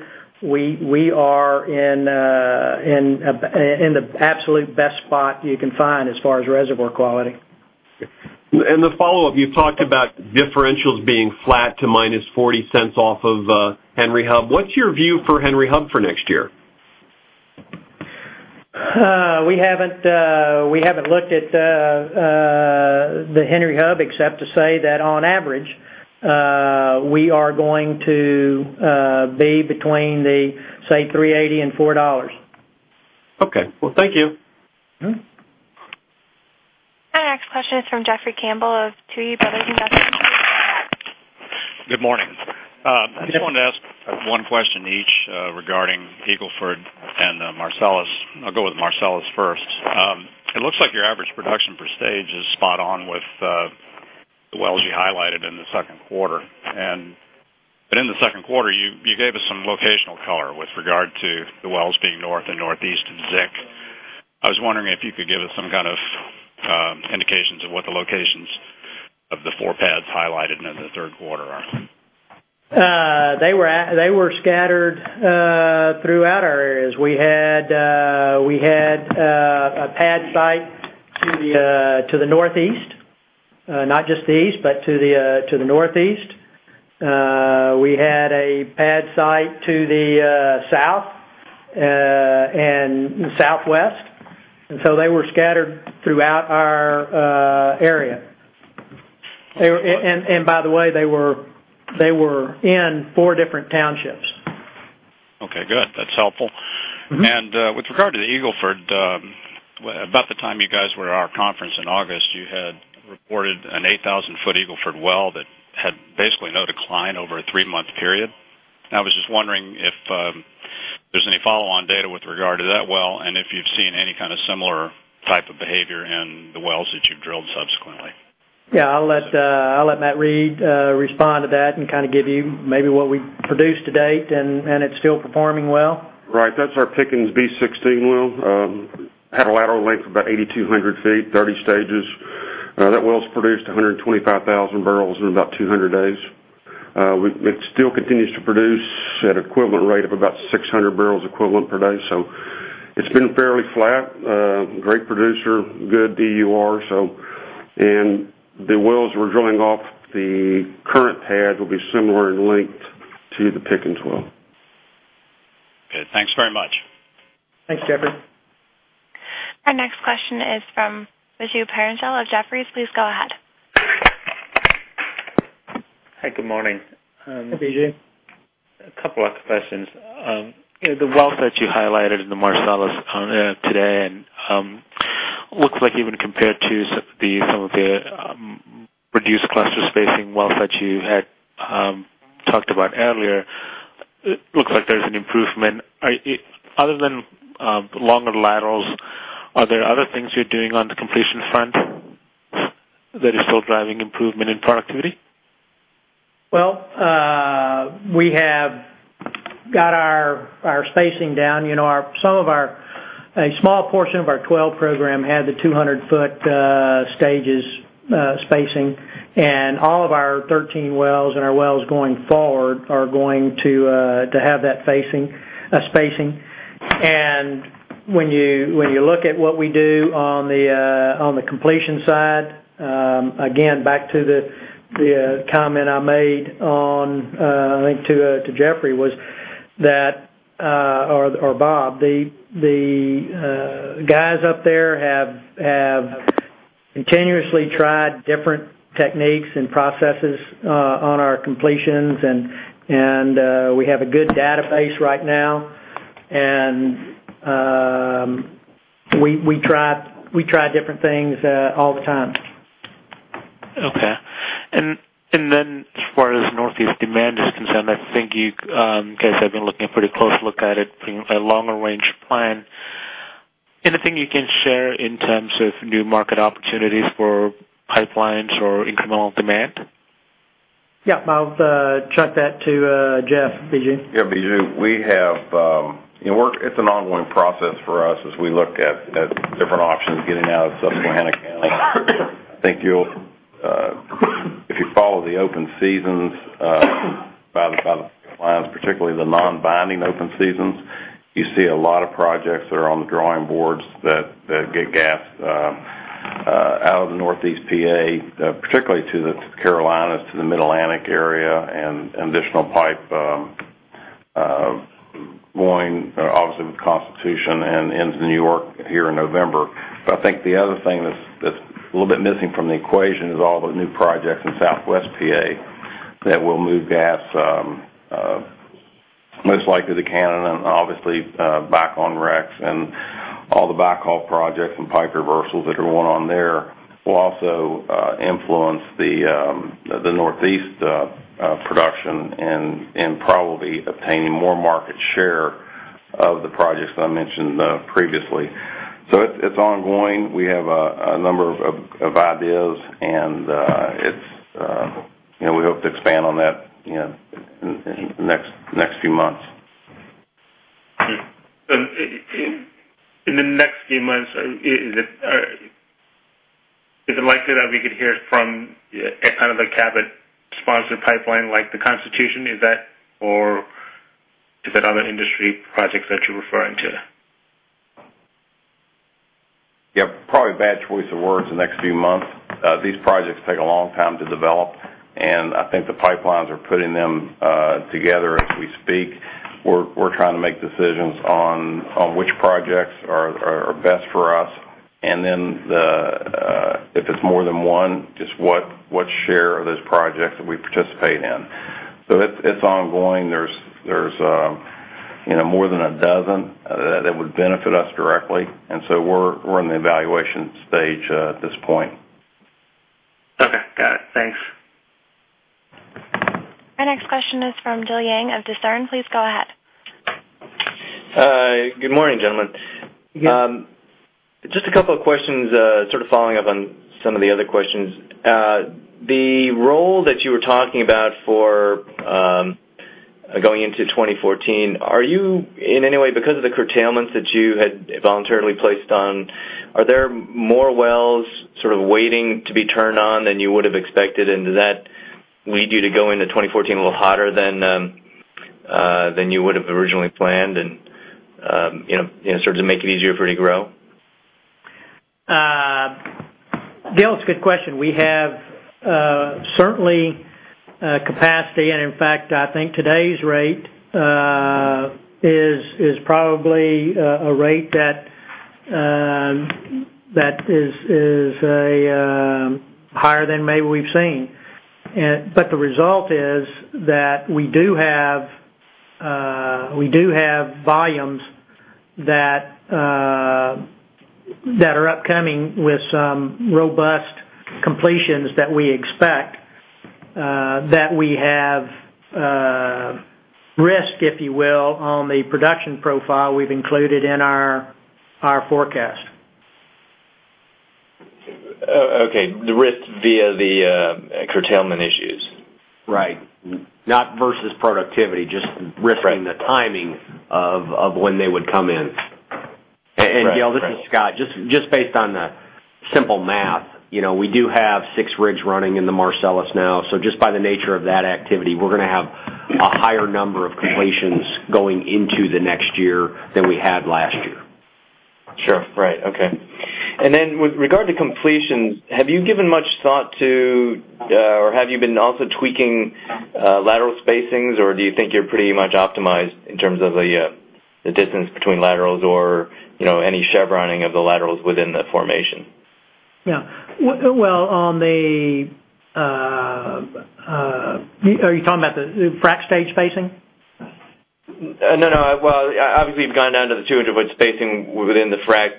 we are in the absolute best spot you can find as far as reservoir quality. The follow-up, you talked about differentials being flat to minus $0.40 off of Henry Hub. What's your view for Henry Hub for next year? We haven't looked at the Henry Hub except to say that on average, we are going to be between the, say, $3.80 and $4.00. Okay. Well, thank you. Our next question is from Jeffrey Campbell of Tuohy Brothers Investment. Good morning. Good morning. Just wanted to ask one question each regarding Eagle Ford and Marcellus. I'll go with Marcellus first. It looks like your average production per stage is spot on with the wells you highlighted in the second quarter. In the second quarter, you gave us some locational color with regard to the wells being north and northeast in Zick. I was wondering if you could give us some kind of indications of what the locations of the four pads highlighted in the third quarter are. They were scattered throughout our areas. We had a pad site to the northeast. Not just the east, but to the northeast. We had a pad site to the south and southwest, they were scattered throughout our area. By the way, they were in four different townships. Okay, good. That's helpful. With regard to the Eagle Ford, about the time you guys were at our conference in August, you had reported an 8,000-foot Eagle Ford well that had basically no decline over a three-month period. I was just wondering if there's any follow-on data with regard to that well, and if you've seen any kind of similar type of behavior in the wells that you've drilled subsequently. Yeah, I'll let Matt Reid respond to that and give you maybe what we produced to date, and it's still performing well. Right. That's our Pickens B 16 well. Had a lateral length of about 8,200 feet, 30 stages. That well's produced 125,000 barrels in about 200 days. It still continues to produce at an equivalent rate of about 600 barrels equivalent per day. So it's been fairly flat. Great producer, good EUR. The wells we're drilling off the current pad will be similar and linked to the Pickens well. Good. Thanks very much. Thanks, Jeffrey. Our next question is from Biju Perincheril of Jefferies. Please go ahead. Hi. Good morning. Hi, Biju. A couple of questions. The wells that you highlighted in the Marcellus today, looks like even compared to some of the reduced cluster spacing wells that you had talked about earlier, it looks like there's an improvement. Other than longer laterals, are there other things you're doing on the completion front that is still driving improvement in productivity? We have got our spacing down. A small portion of our 12 program had the 200-foot stages spacing, and all of our 13 wells, and our wells going forward are going to have that spacing. When you look at what we do on the completion side, again, back to the comment I made on, I think to Jeffrey, or Bob, the guys up there have continuously tried different techniques and processes on our completions, and we have a good database right now, and we try different things all the time. Okay. As far as Northeast demand is concerned, I think you guys have been looking a pretty close look at it in a longer range plan. Anything you can share in terms of new market opportunities for pipelines or incremental demand? Yeah. I'll chuck that to Jeff, Biju. Yeah, Biju, it's an ongoing process for us as we look at different options getting out of Susquehanna County. I think if you follow the open seasons by the pipelines, particularly the non-binding open seasons, you see a lot of projects that are on the drawing boards that get gas out of the Northeast P.A., particularly to the Carolinas, to the Mid-Atlantic area, and additional pipe going, obviously, with Constitution and into New York here in November. I think the other thing that's a little bit missing from the equation is all the new projects in Southwest P.A. that will move gas, most likely to Canada, and obviously back on REX and all the backhaul projects and pipe reversals that are going on there will also influence the Northeast production and probably obtaining more market share of the projects that I mentioned previously. It's ongoing. We have a number of ideas. We hope to expand on that in the next few months. In the next few months, is it likely that we could hear from a kind of Cabot-sponsored pipeline like the Constitution? Is that, or is it other industry projects that you're referring to? Yeah. Probably bad choice of words, the next few months. These projects take a long time to develop. I think the pipelines are putting them together as we speak. We're trying to make decisions on which projects are best for us. If it's more than one, just what share of those projects that we participate in. It's ongoing. There's more than a dozen that would benefit us directly. We're in the evaluation stage at this point. Okay. Got it. Thanks. Our next question is from Gil Yang of Discern. Please go ahead. Hi. Good morning, gentlemen. Good morning. Just a couple of questions, sort of following up on some of the other questions. The role that you were talking about for going into 2014, are you in any way, because of the curtailments that you had voluntarily placed on, are there more wells sort of waiting to be turned on than you would've expected, and does that lead you to go into 2014 a little hotter than you would've originally planned and sort of make it easier for you to grow? Gil, it's a good question. In fact, I think today's rate is probably a rate that is higher than maybe we've seen. The result is that we do have volumes that are upcoming with some robust completions that we expect, that we have risk, if you will, on the production profile we've included in our forecast. Okay. The risk- Curtailment issues. Right. Not versus productivity, just- Right risking the timing of when they would come in. Right. Gil Yang, this is Scott. Just based on the simple math, we do have six rigs running in the Marcellus now. Just by the nature of that activity, we're going to have a higher number of completions going into the next year than we had last year. Sure. Right. Okay. Then with regard to completions, have you given much thought to, or have you been also tweaking lateral spacings, or do you think you're pretty much optimized in terms of the distance between laterals or any chevroning of the laterals within the formation? Yeah. Are you talking about the frack stage spacing? No. Well, obviously you've gone down to the 200-foot spacing within the frack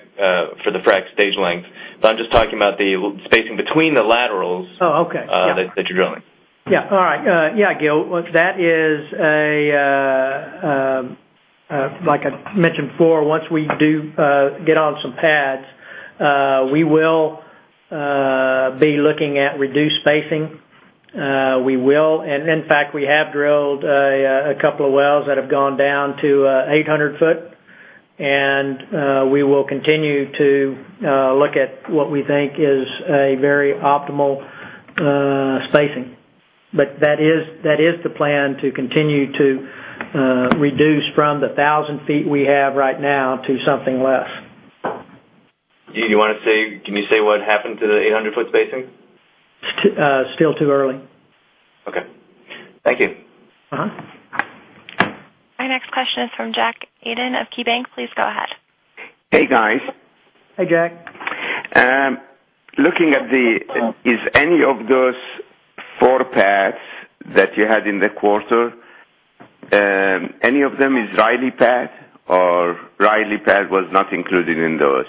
for the frack stage length, but I'm just talking about the spacing between the laterals- Oh, okay. Yeah that you're drilling. Yeah. All right. Yeah, Gil Yang, that is, like I mentioned before, once we do get on some pads, we will be looking at reduced spacing. We will, and in fact, we have drilled a couple of wells that have gone down to 800 foot, and we will continue to look at what we think is a very optimal spacing. That is the plan, to continue to reduce from the 1,000 feet we have right now to something less. Do you want to say, can you say what happened to the 800-foot spacing? It's still too early. Okay. Thank you. Our next question is from Jack Aydin of KeyBanc. Please go ahead. Hey, guys. Hey, Jack. Is any of those four pads that you had in the quarter, any of them is Riley pad, or Riley pad was not included in those?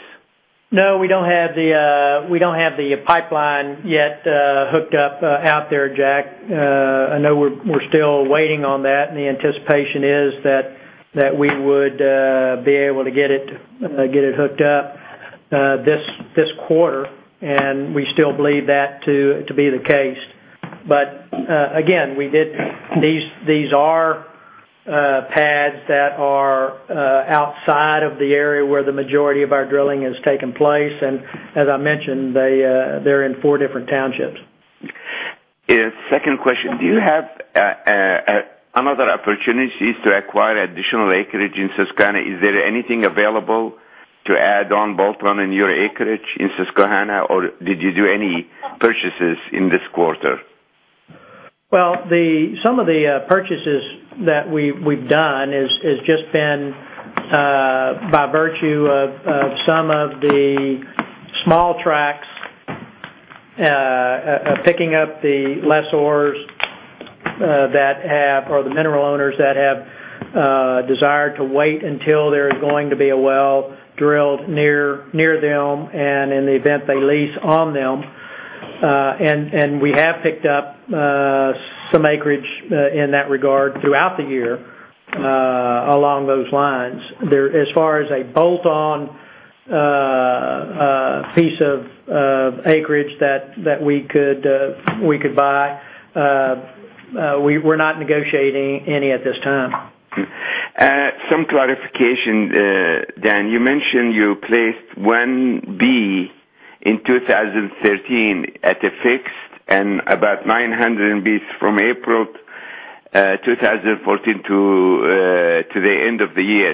No, we don't have the pipeline yet hooked up out there, Jack. I know we're still waiting on that, and the anticipation is that we would be able to get it hooked up this quarter, and we still believe that to be the case. Again, these are pads that are outside of the area where the majority of our drilling has taken place, and as I mentioned, they're in four different townships. Yeah. Second question: Do you have other opportunities to acquire additional acreage in Susquehanna? Is there anything available to add on bolt-on in your acreage in Susquehanna, or did you do any purchases in this quarter? Well, some of the purchases that we've done has just been by virtue of some of the small tracts, picking up the lessors that have, or the mineral owners that have desired to wait until there is going to be a well drilled near them, and in the event they lease on them. We have picked up some acreage in that regard throughout the year along those lines. As far as a bolt-on piece of acreage that we could buy, we're not negotiating any at this time. Some clarification, Dan. You mentioned you placed 1 Bcf in 2013 at a fixed and about 900 Bcf from April 2014 to the end of the year.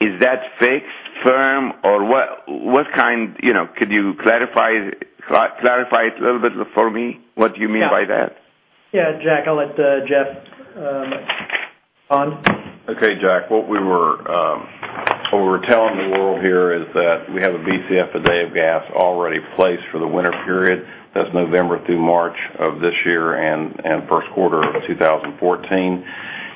Is that fixed firm or what kind, could you clarify it a little bit for me? What do you mean by that? Yeah, Jack Aydin, I'll let Jeff on. Okay, Jack. What we were telling the world here is that we have 1 Bcf a day of gas already placed for the winter period. That's November through March of this year and first quarter of 2014.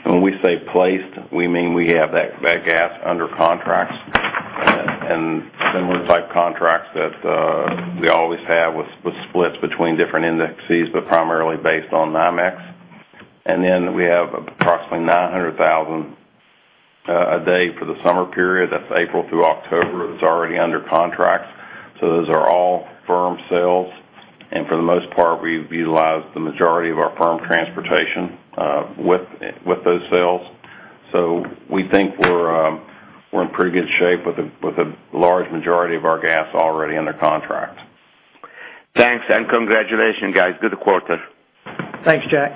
When we say placed, we mean we have that gas under contracts, and similar type contracts that we always have with splits between different indexes, but primarily based on NYMEX. We have approximately 900,000 a day for the summer period. That's April through October. It's already under contract. Those are all firm sales, and for the most part, we've utilized the majority of our firm transportation with those sales. We think we're in pretty good shape with a large majority of our gas already under contract. Thanks, congratulations, guys. Good quarter. Thanks, Jack.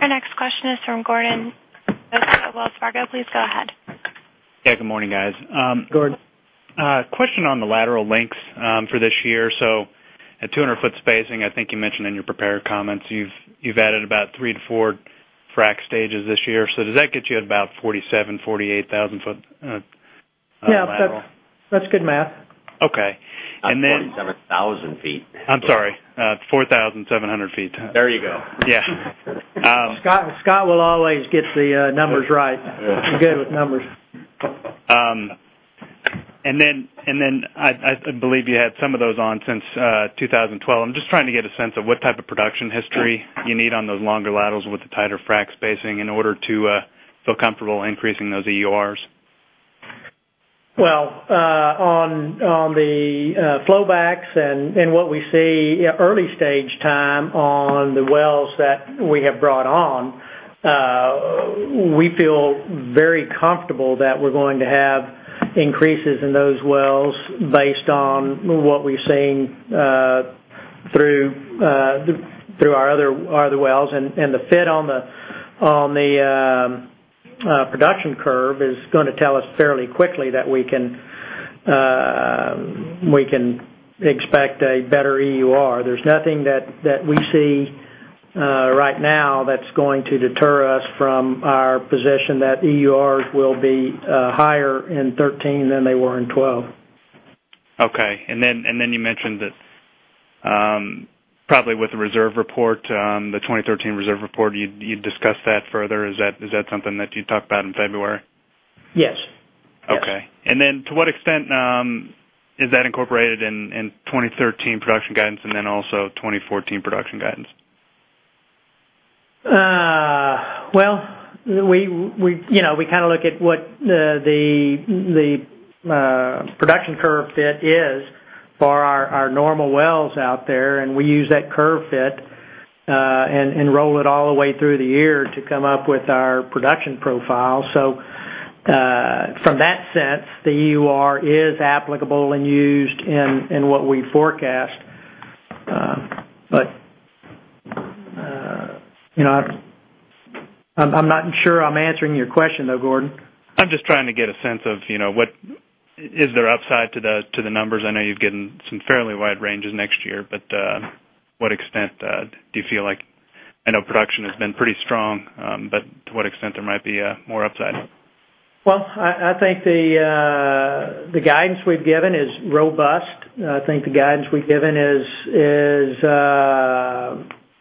Our next question is from Gordon Douthat of Wells Fargo. Please go ahead. Yeah, good morning, guys. Gordon. Question on the lateral lengths for this year. At 200-foot spacing, I think you mentioned in your prepared comments you've added about 3 to 4 frack stages this year. Does that get you at about 47,000-48,000 foot lateral? Yeah, that's good math. Okay. That's 47,000 feet. I'm sorry. 4,700 feet. There you go. Yeah. Scott will always get the numbers right. He's good with numbers. I believe you had some of those on since 2012. I'm just trying to get a sense of what type of production history you need on those longer laterals with the tighter frack spacing in order to feel comfortable increasing those EURs. Well, on the flowbacks and what we see early stage time on the wells that we have brought on, we feel very comfortable that we're going to have increases in those wells based on what we've seen through our other wells. The fit on the production curve is going to tell us fairly quickly that we can expect a better EUR. There's nothing that we see right now that's going to deter us from our position that EURs will be higher in 2013 than they were in 2012. Okay. You mentioned that probably with the reserve report, the 2013 reserve report, you'd discuss that further. Is that something that you'd talk about in February? Yes. Okay. To what extent is that incorporated in 2013 production guidance also 2014 production guidance? We look at what the production curve fit is for our normal wells out there, we use that curve fit, and roll it all the way through the year to come up with our production profile. From that sense, the EUR is applicable and used in what we forecast. I'm not sure I'm answering your question though, Gordon. I'm just trying to get a sense of is there upside to the numbers? I know you've given some fairly wide ranges next year, what extent do you feel like I know production has been pretty strong, to what extent there might be more upside? I think the guidance we've given is robust. I think the guidance we've given is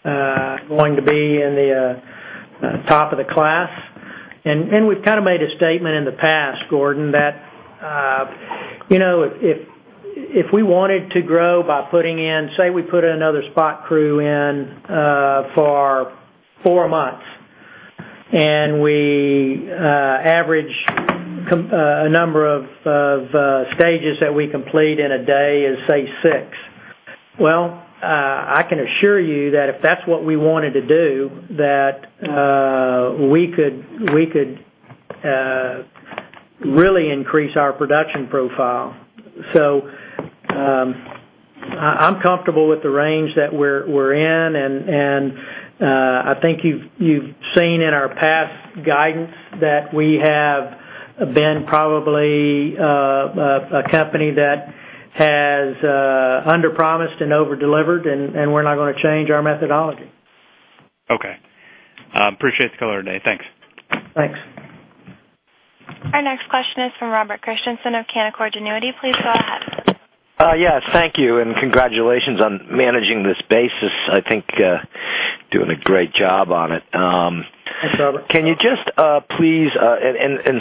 going to be in the top of the class. We've made a statement in the past, Gordon, that if we wanted to grow by putting in, say, we put another spot crew in for four months, and we average a number of stages that we complete in a day is, say, 6. I can assure you that if that's what we wanted to do, that we could really increase our production profile. I'm comfortable with the range that we're in, I think you've seen in our past guidance that we have been probably a company that has underpromised and over-delivered, we're not going to change our methodology. Okay. Appreciate the color, Dan. Thanks. Thanks. Our next question is from Robert Christensen of Canaccord Genuity. Please go ahead. Yes. Thank you. Congratulations on managing this basis. I think doing a great job on it. Hi, Robert. Can you just please.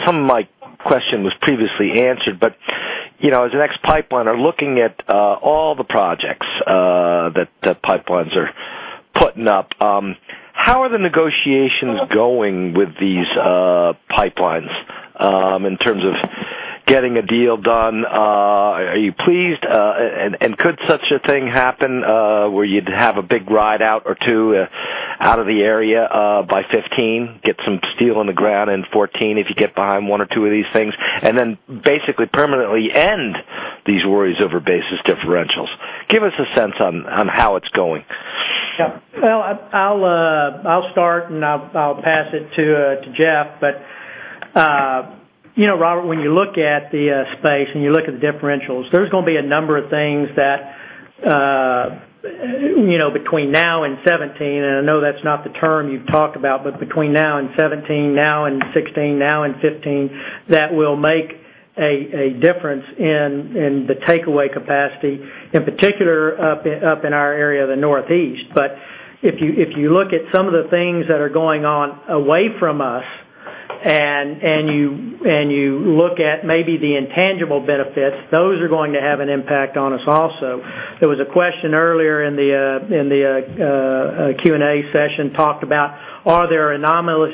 Some of my question was previously answered. As an ex-pipeliner looking at all the projects that pipelines are putting up, how are the negotiations going with these pipelines, in terms of getting a deal done? Are you pleased, and could such a thing happen, where you'd have a big ride out or two out of the area, by 2015, get some steel on the ground in 2014 if you get behind one or two of these things, and then basically permanently end these worries over basis differentials? Give us a sense on how it's going. Yeah. Well, I'll start, and I'll pass it to Jeff. Robert, when you look at the space and you look at the differentials, there's going to be a number of things that between now and 2017, and I know that's not the term you've talked about, but between now and 2017, now and 2016, now and 2015, that will make a difference in the takeaway capacity, in particular up in our area of the Northeast. If you look at some of the things that are going on away from us, and you look at maybe the intangible benefits, those are going to have an impact on us also. There was a question earlier in the Q&A session talked about. Are there anomalous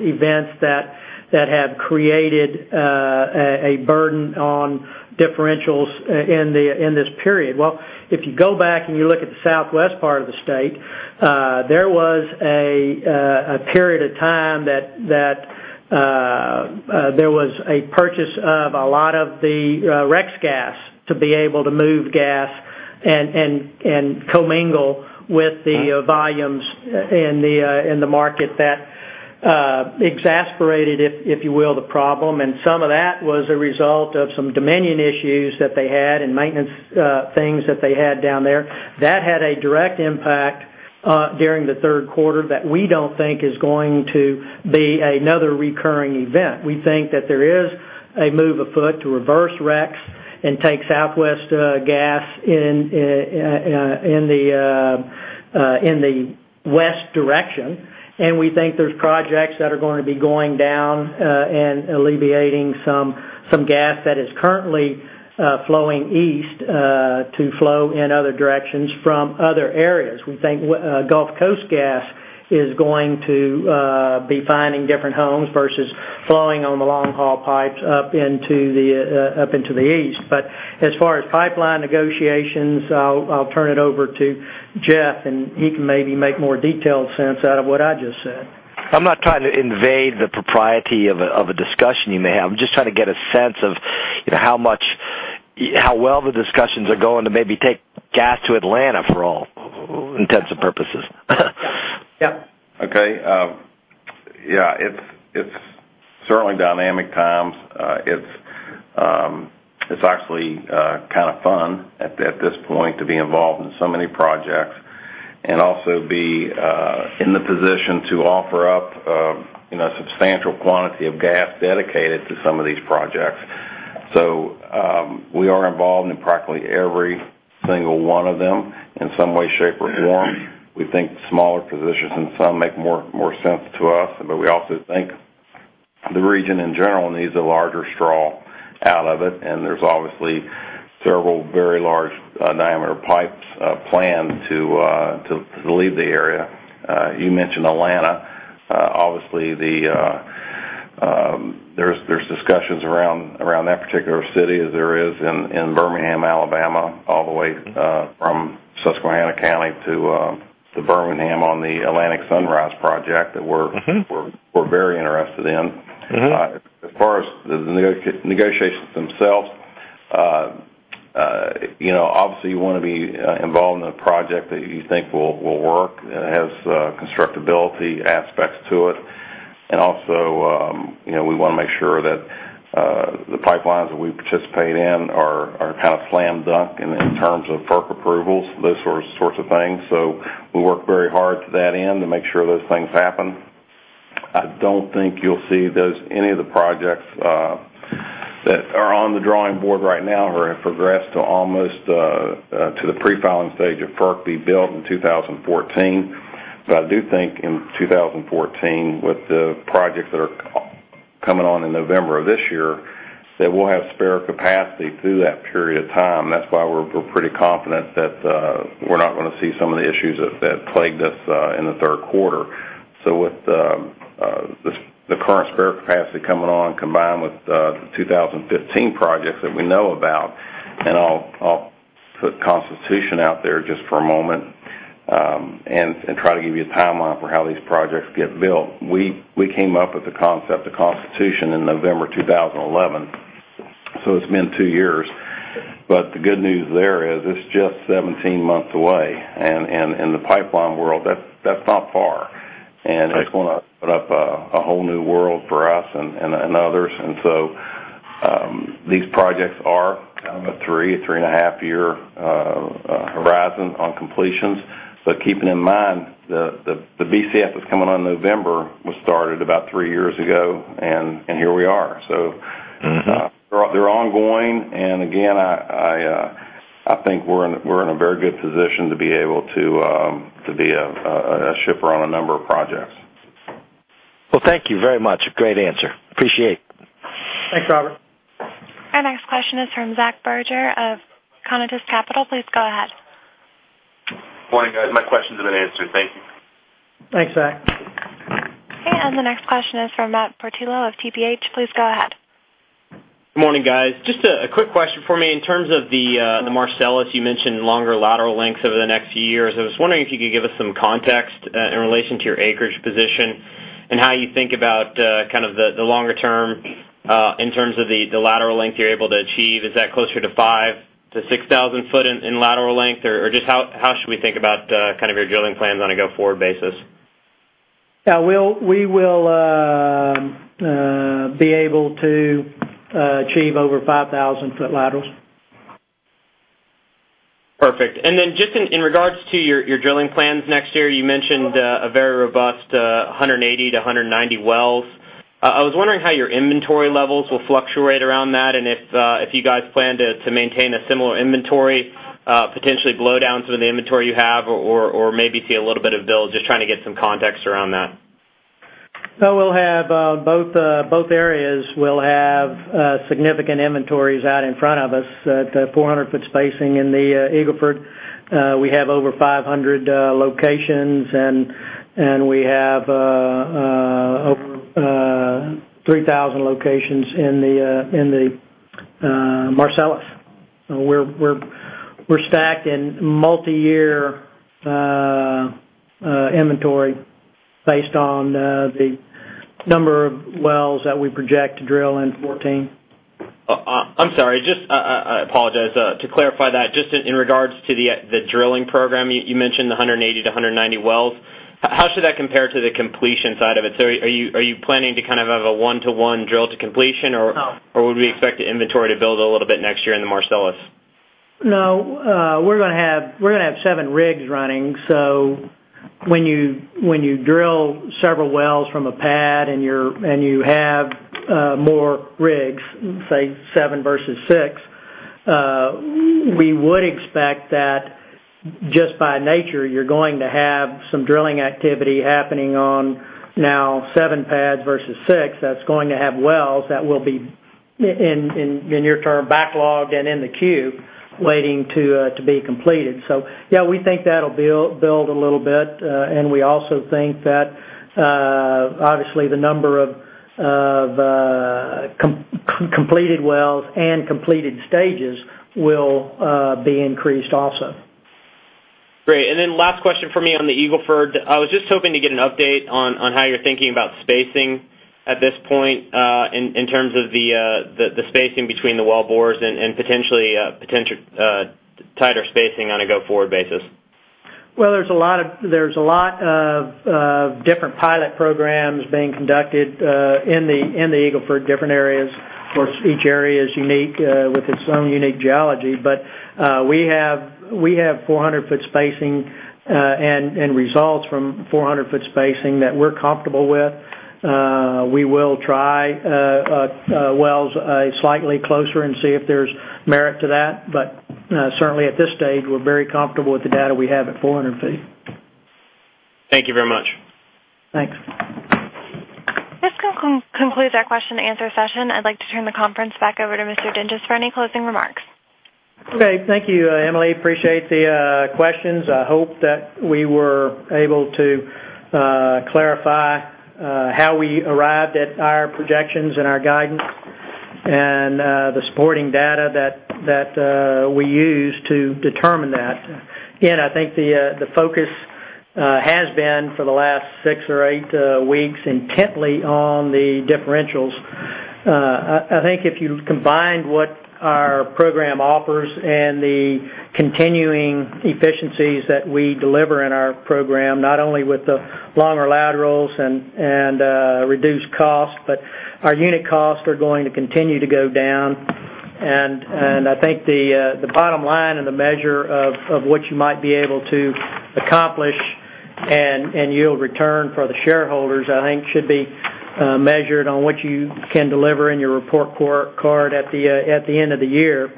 events that have created a burden on differentials in this period? Well, if you go back and you look at the southwest part of the state, there was a period of time that there was a purchase of a lot of the REX gas to be able to move gas and commingle with the volumes in the market that exacerbated, if you will, the problem. Some of that was a result of some Dominion issues that they had and maintenance things that they had down there. That had a direct impact during the third quarter that we don't think is going to be another recurring event. We think that there is a move afoot to reverse REX and take southwest gas in the west direction. We think there's projects that are going to be going down and alleviating some gas that is currently flowing east to flow in other directions from other areas. We think Gulf Coast gas is going to be finding different homes versus flowing on the long-haul pipes up into the east. As far as pipeline negotiations, I'll turn it over to Jeff, and he can maybe make more detailed sense out of what I just said. I'm not trying to invade the propriety of a discussion you may have. I'm just trying to get a sense of how well the discussions are going to maybe take gas to Atlanta for all intents and purposes. Yep. It's certainly dynamic times. It's actually kind of fun at this point to be involved in so many projects and also be in the position to offer up a substantial quantity of gas dedicated to some of these projects. We are involved in practically every single one of them in some way, shape, or form. We think smaller positions in some make more sense to us, but we also think the region, in general, needs a larger straw out of it, and there's obviously several very large diameter pipes planned to leave the area. You mentioned Atlanta. Obviously, there's discussions around that particular city as there is in Birmingham, Alabama, all the way from Susquehanna County to Birmingham on the Atlantic Sunrise project that we're very interested in. As far as the negotiations themselves, obviously you want to be involved in a project that you think will work, and it has constructability aspects to it. Also, we want to make sure that the pipelines that we participate in are kind of slam dunk in terms of FERC approvals, those sorts of things. We work very hard to that end to make sure those things happen. I don't think you'll see any of the projects that are on the drawing board right now or have progressed to the pre-filing stage of FERC be built in 2014. I do think in 2014, with the projects that are coming on in November of this year, that we'll have spare capacity through that period of time. That's why we're pretty confident that we're not going to see some of the issues that plagued us in the third quarter. With the current spare capacity coming on, combined with the 2015 projects that we know about, and I'll put Constitution Pipeline out there just for a moment, and try to give you a timeline for how these projects get built. We came up with the concept of Constitution Pipeline in November 2011. It's been two years. The good news there is it's just 17 months away, and in the pipeline world, that's not far. Right. It's going to put up a whole new world for us and others. These projects are on the three-and-a-half year horizon on completions. Keeping in mind the [BCF] that's coming on November was started about three years ago, and here we are. They're ongoing, and again, I think we're in a very good position to be able to be a shipper on a number of projects. Well, thank you very much. Great answer. Appreciate it. Thanks, Robert. Our next question is from Zach Berger of Conatus Capital. Please go ahead. Morning, guys. My questions have been answered. Thank you. Thanks, Zach. Okay, the next question is from Matt Portillo of TPH. Please go ahead. Good morning, guys. Just a quick question for me. In terms of the Marcellus, you mentioned longer lateral lengths over the next few years. I was wondering if you could give us some context in relation to your acreage position and how you think about the longer term, in terms of the lateral length you're able to achieve. Is that closer to 5,000-6,000 foot in lateral length? Or just how should we think about your drilling plans on a go-forward basis? Yeah. We will be able to achieve over 5,000-foot laterals. Perfect. Just in regards to your drilling plans next year, you mentioned a very robust 180-190 wells. I was wondering how your inventory levels will fluctuate around that and if you guys plan to maintain a similar inventory, potentially blow down some of the inventory you have or maybe see a little bit of build. Just trying to get some context around that. Both areas will have significant inventories out in front of us. At 400-foot spacing in the Eagle Ford, we have over 500 locations, and we have over 3,000 locations in the Marcellus. We're stacked in multi-year inventory based on the number of wells that we project to drill in 2014. I'm sorry. I apologize. To clarify that, just in regards to the drilling program, you mentioned 180-190 wells. How should that compare to the completion side of it? Are you planning to have a one-to-one drill to completion? No. Would we expect the inventory to build a little bit next year in the Marcellus? No, we're going to have seven rigs running. When you drill several wells from a pad, and you have more rigs, say seven versus six, we would expect that just by nature, you're going to have some drilling activity happening on now seven pads versus six. That's going to have wells that will be In your term, backlogged and in the queue waiting to be completed. Yeah, we think that'll build a little bit. We also think that, obviously, the number of completed wells and completed stages will be increased also. Great. Last question from me on the Eagle Ford. I was just hoping to get an update on how you're thinking about spacing at this point, in terms of the spacing between the well bores and potentially tighter spacing on a go-forward basis. Well, there's a lot of different pilot programs being conducted in the Eagle Ford, different areas. Of course, each area is unique with its own unique geology. We have 400-foot spacing, and results from 400-foot spacing that we're comfortable with. We will try wells slightly closer and see if there's merit to that. Certainly at this stage, we're very comfortable with the data we have at 400 feet. Thank you very much. Thanks. This concludes our question and answer session. I'd like to turn the conference back over to Mr. Dinges for any closing remarks. Okay. Thank you, Emily. Appreciate the questions. I hope that we were able to clarify how we arrived at our projections and our guidance and the supporting data that we used to determine that. Again, I think the focus has been, for the last six or eight weeks, intently on the differentials. I think if you combined what our program offers and the continuing efficiencies that we deliver in our program, not only with the longer laterals and reduced costs, but our unit costs are going to continue to go down. I think the bottom line and the measure of what you might be able to accomplish and yield return for the shareholders, I think should be measured on what you can deliver in your report card at the end of the year.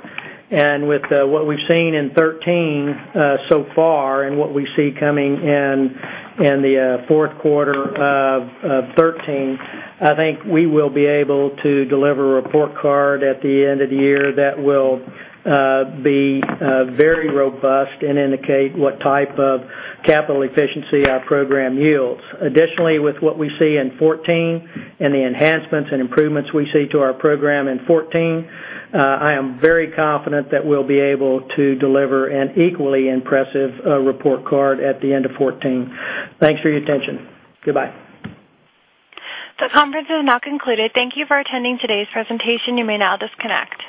With what we've seen in 2013 so far and what we see coming in the fourth quarter of 2013, I think we will be able to deliver a report card at the end of the year that will be very robust and indicate what type of capital efficiency our program yields. Additionally, with what we see in 2014 and the enhancements and improvements we see to our program in 2014, I am very confident that we'll be able to deliver an equally impressive report card at the end of 2014. Thanks for your attention. Goodbye. The conference has now concluded. Thank you for attending today's presentation. You may now disconnect.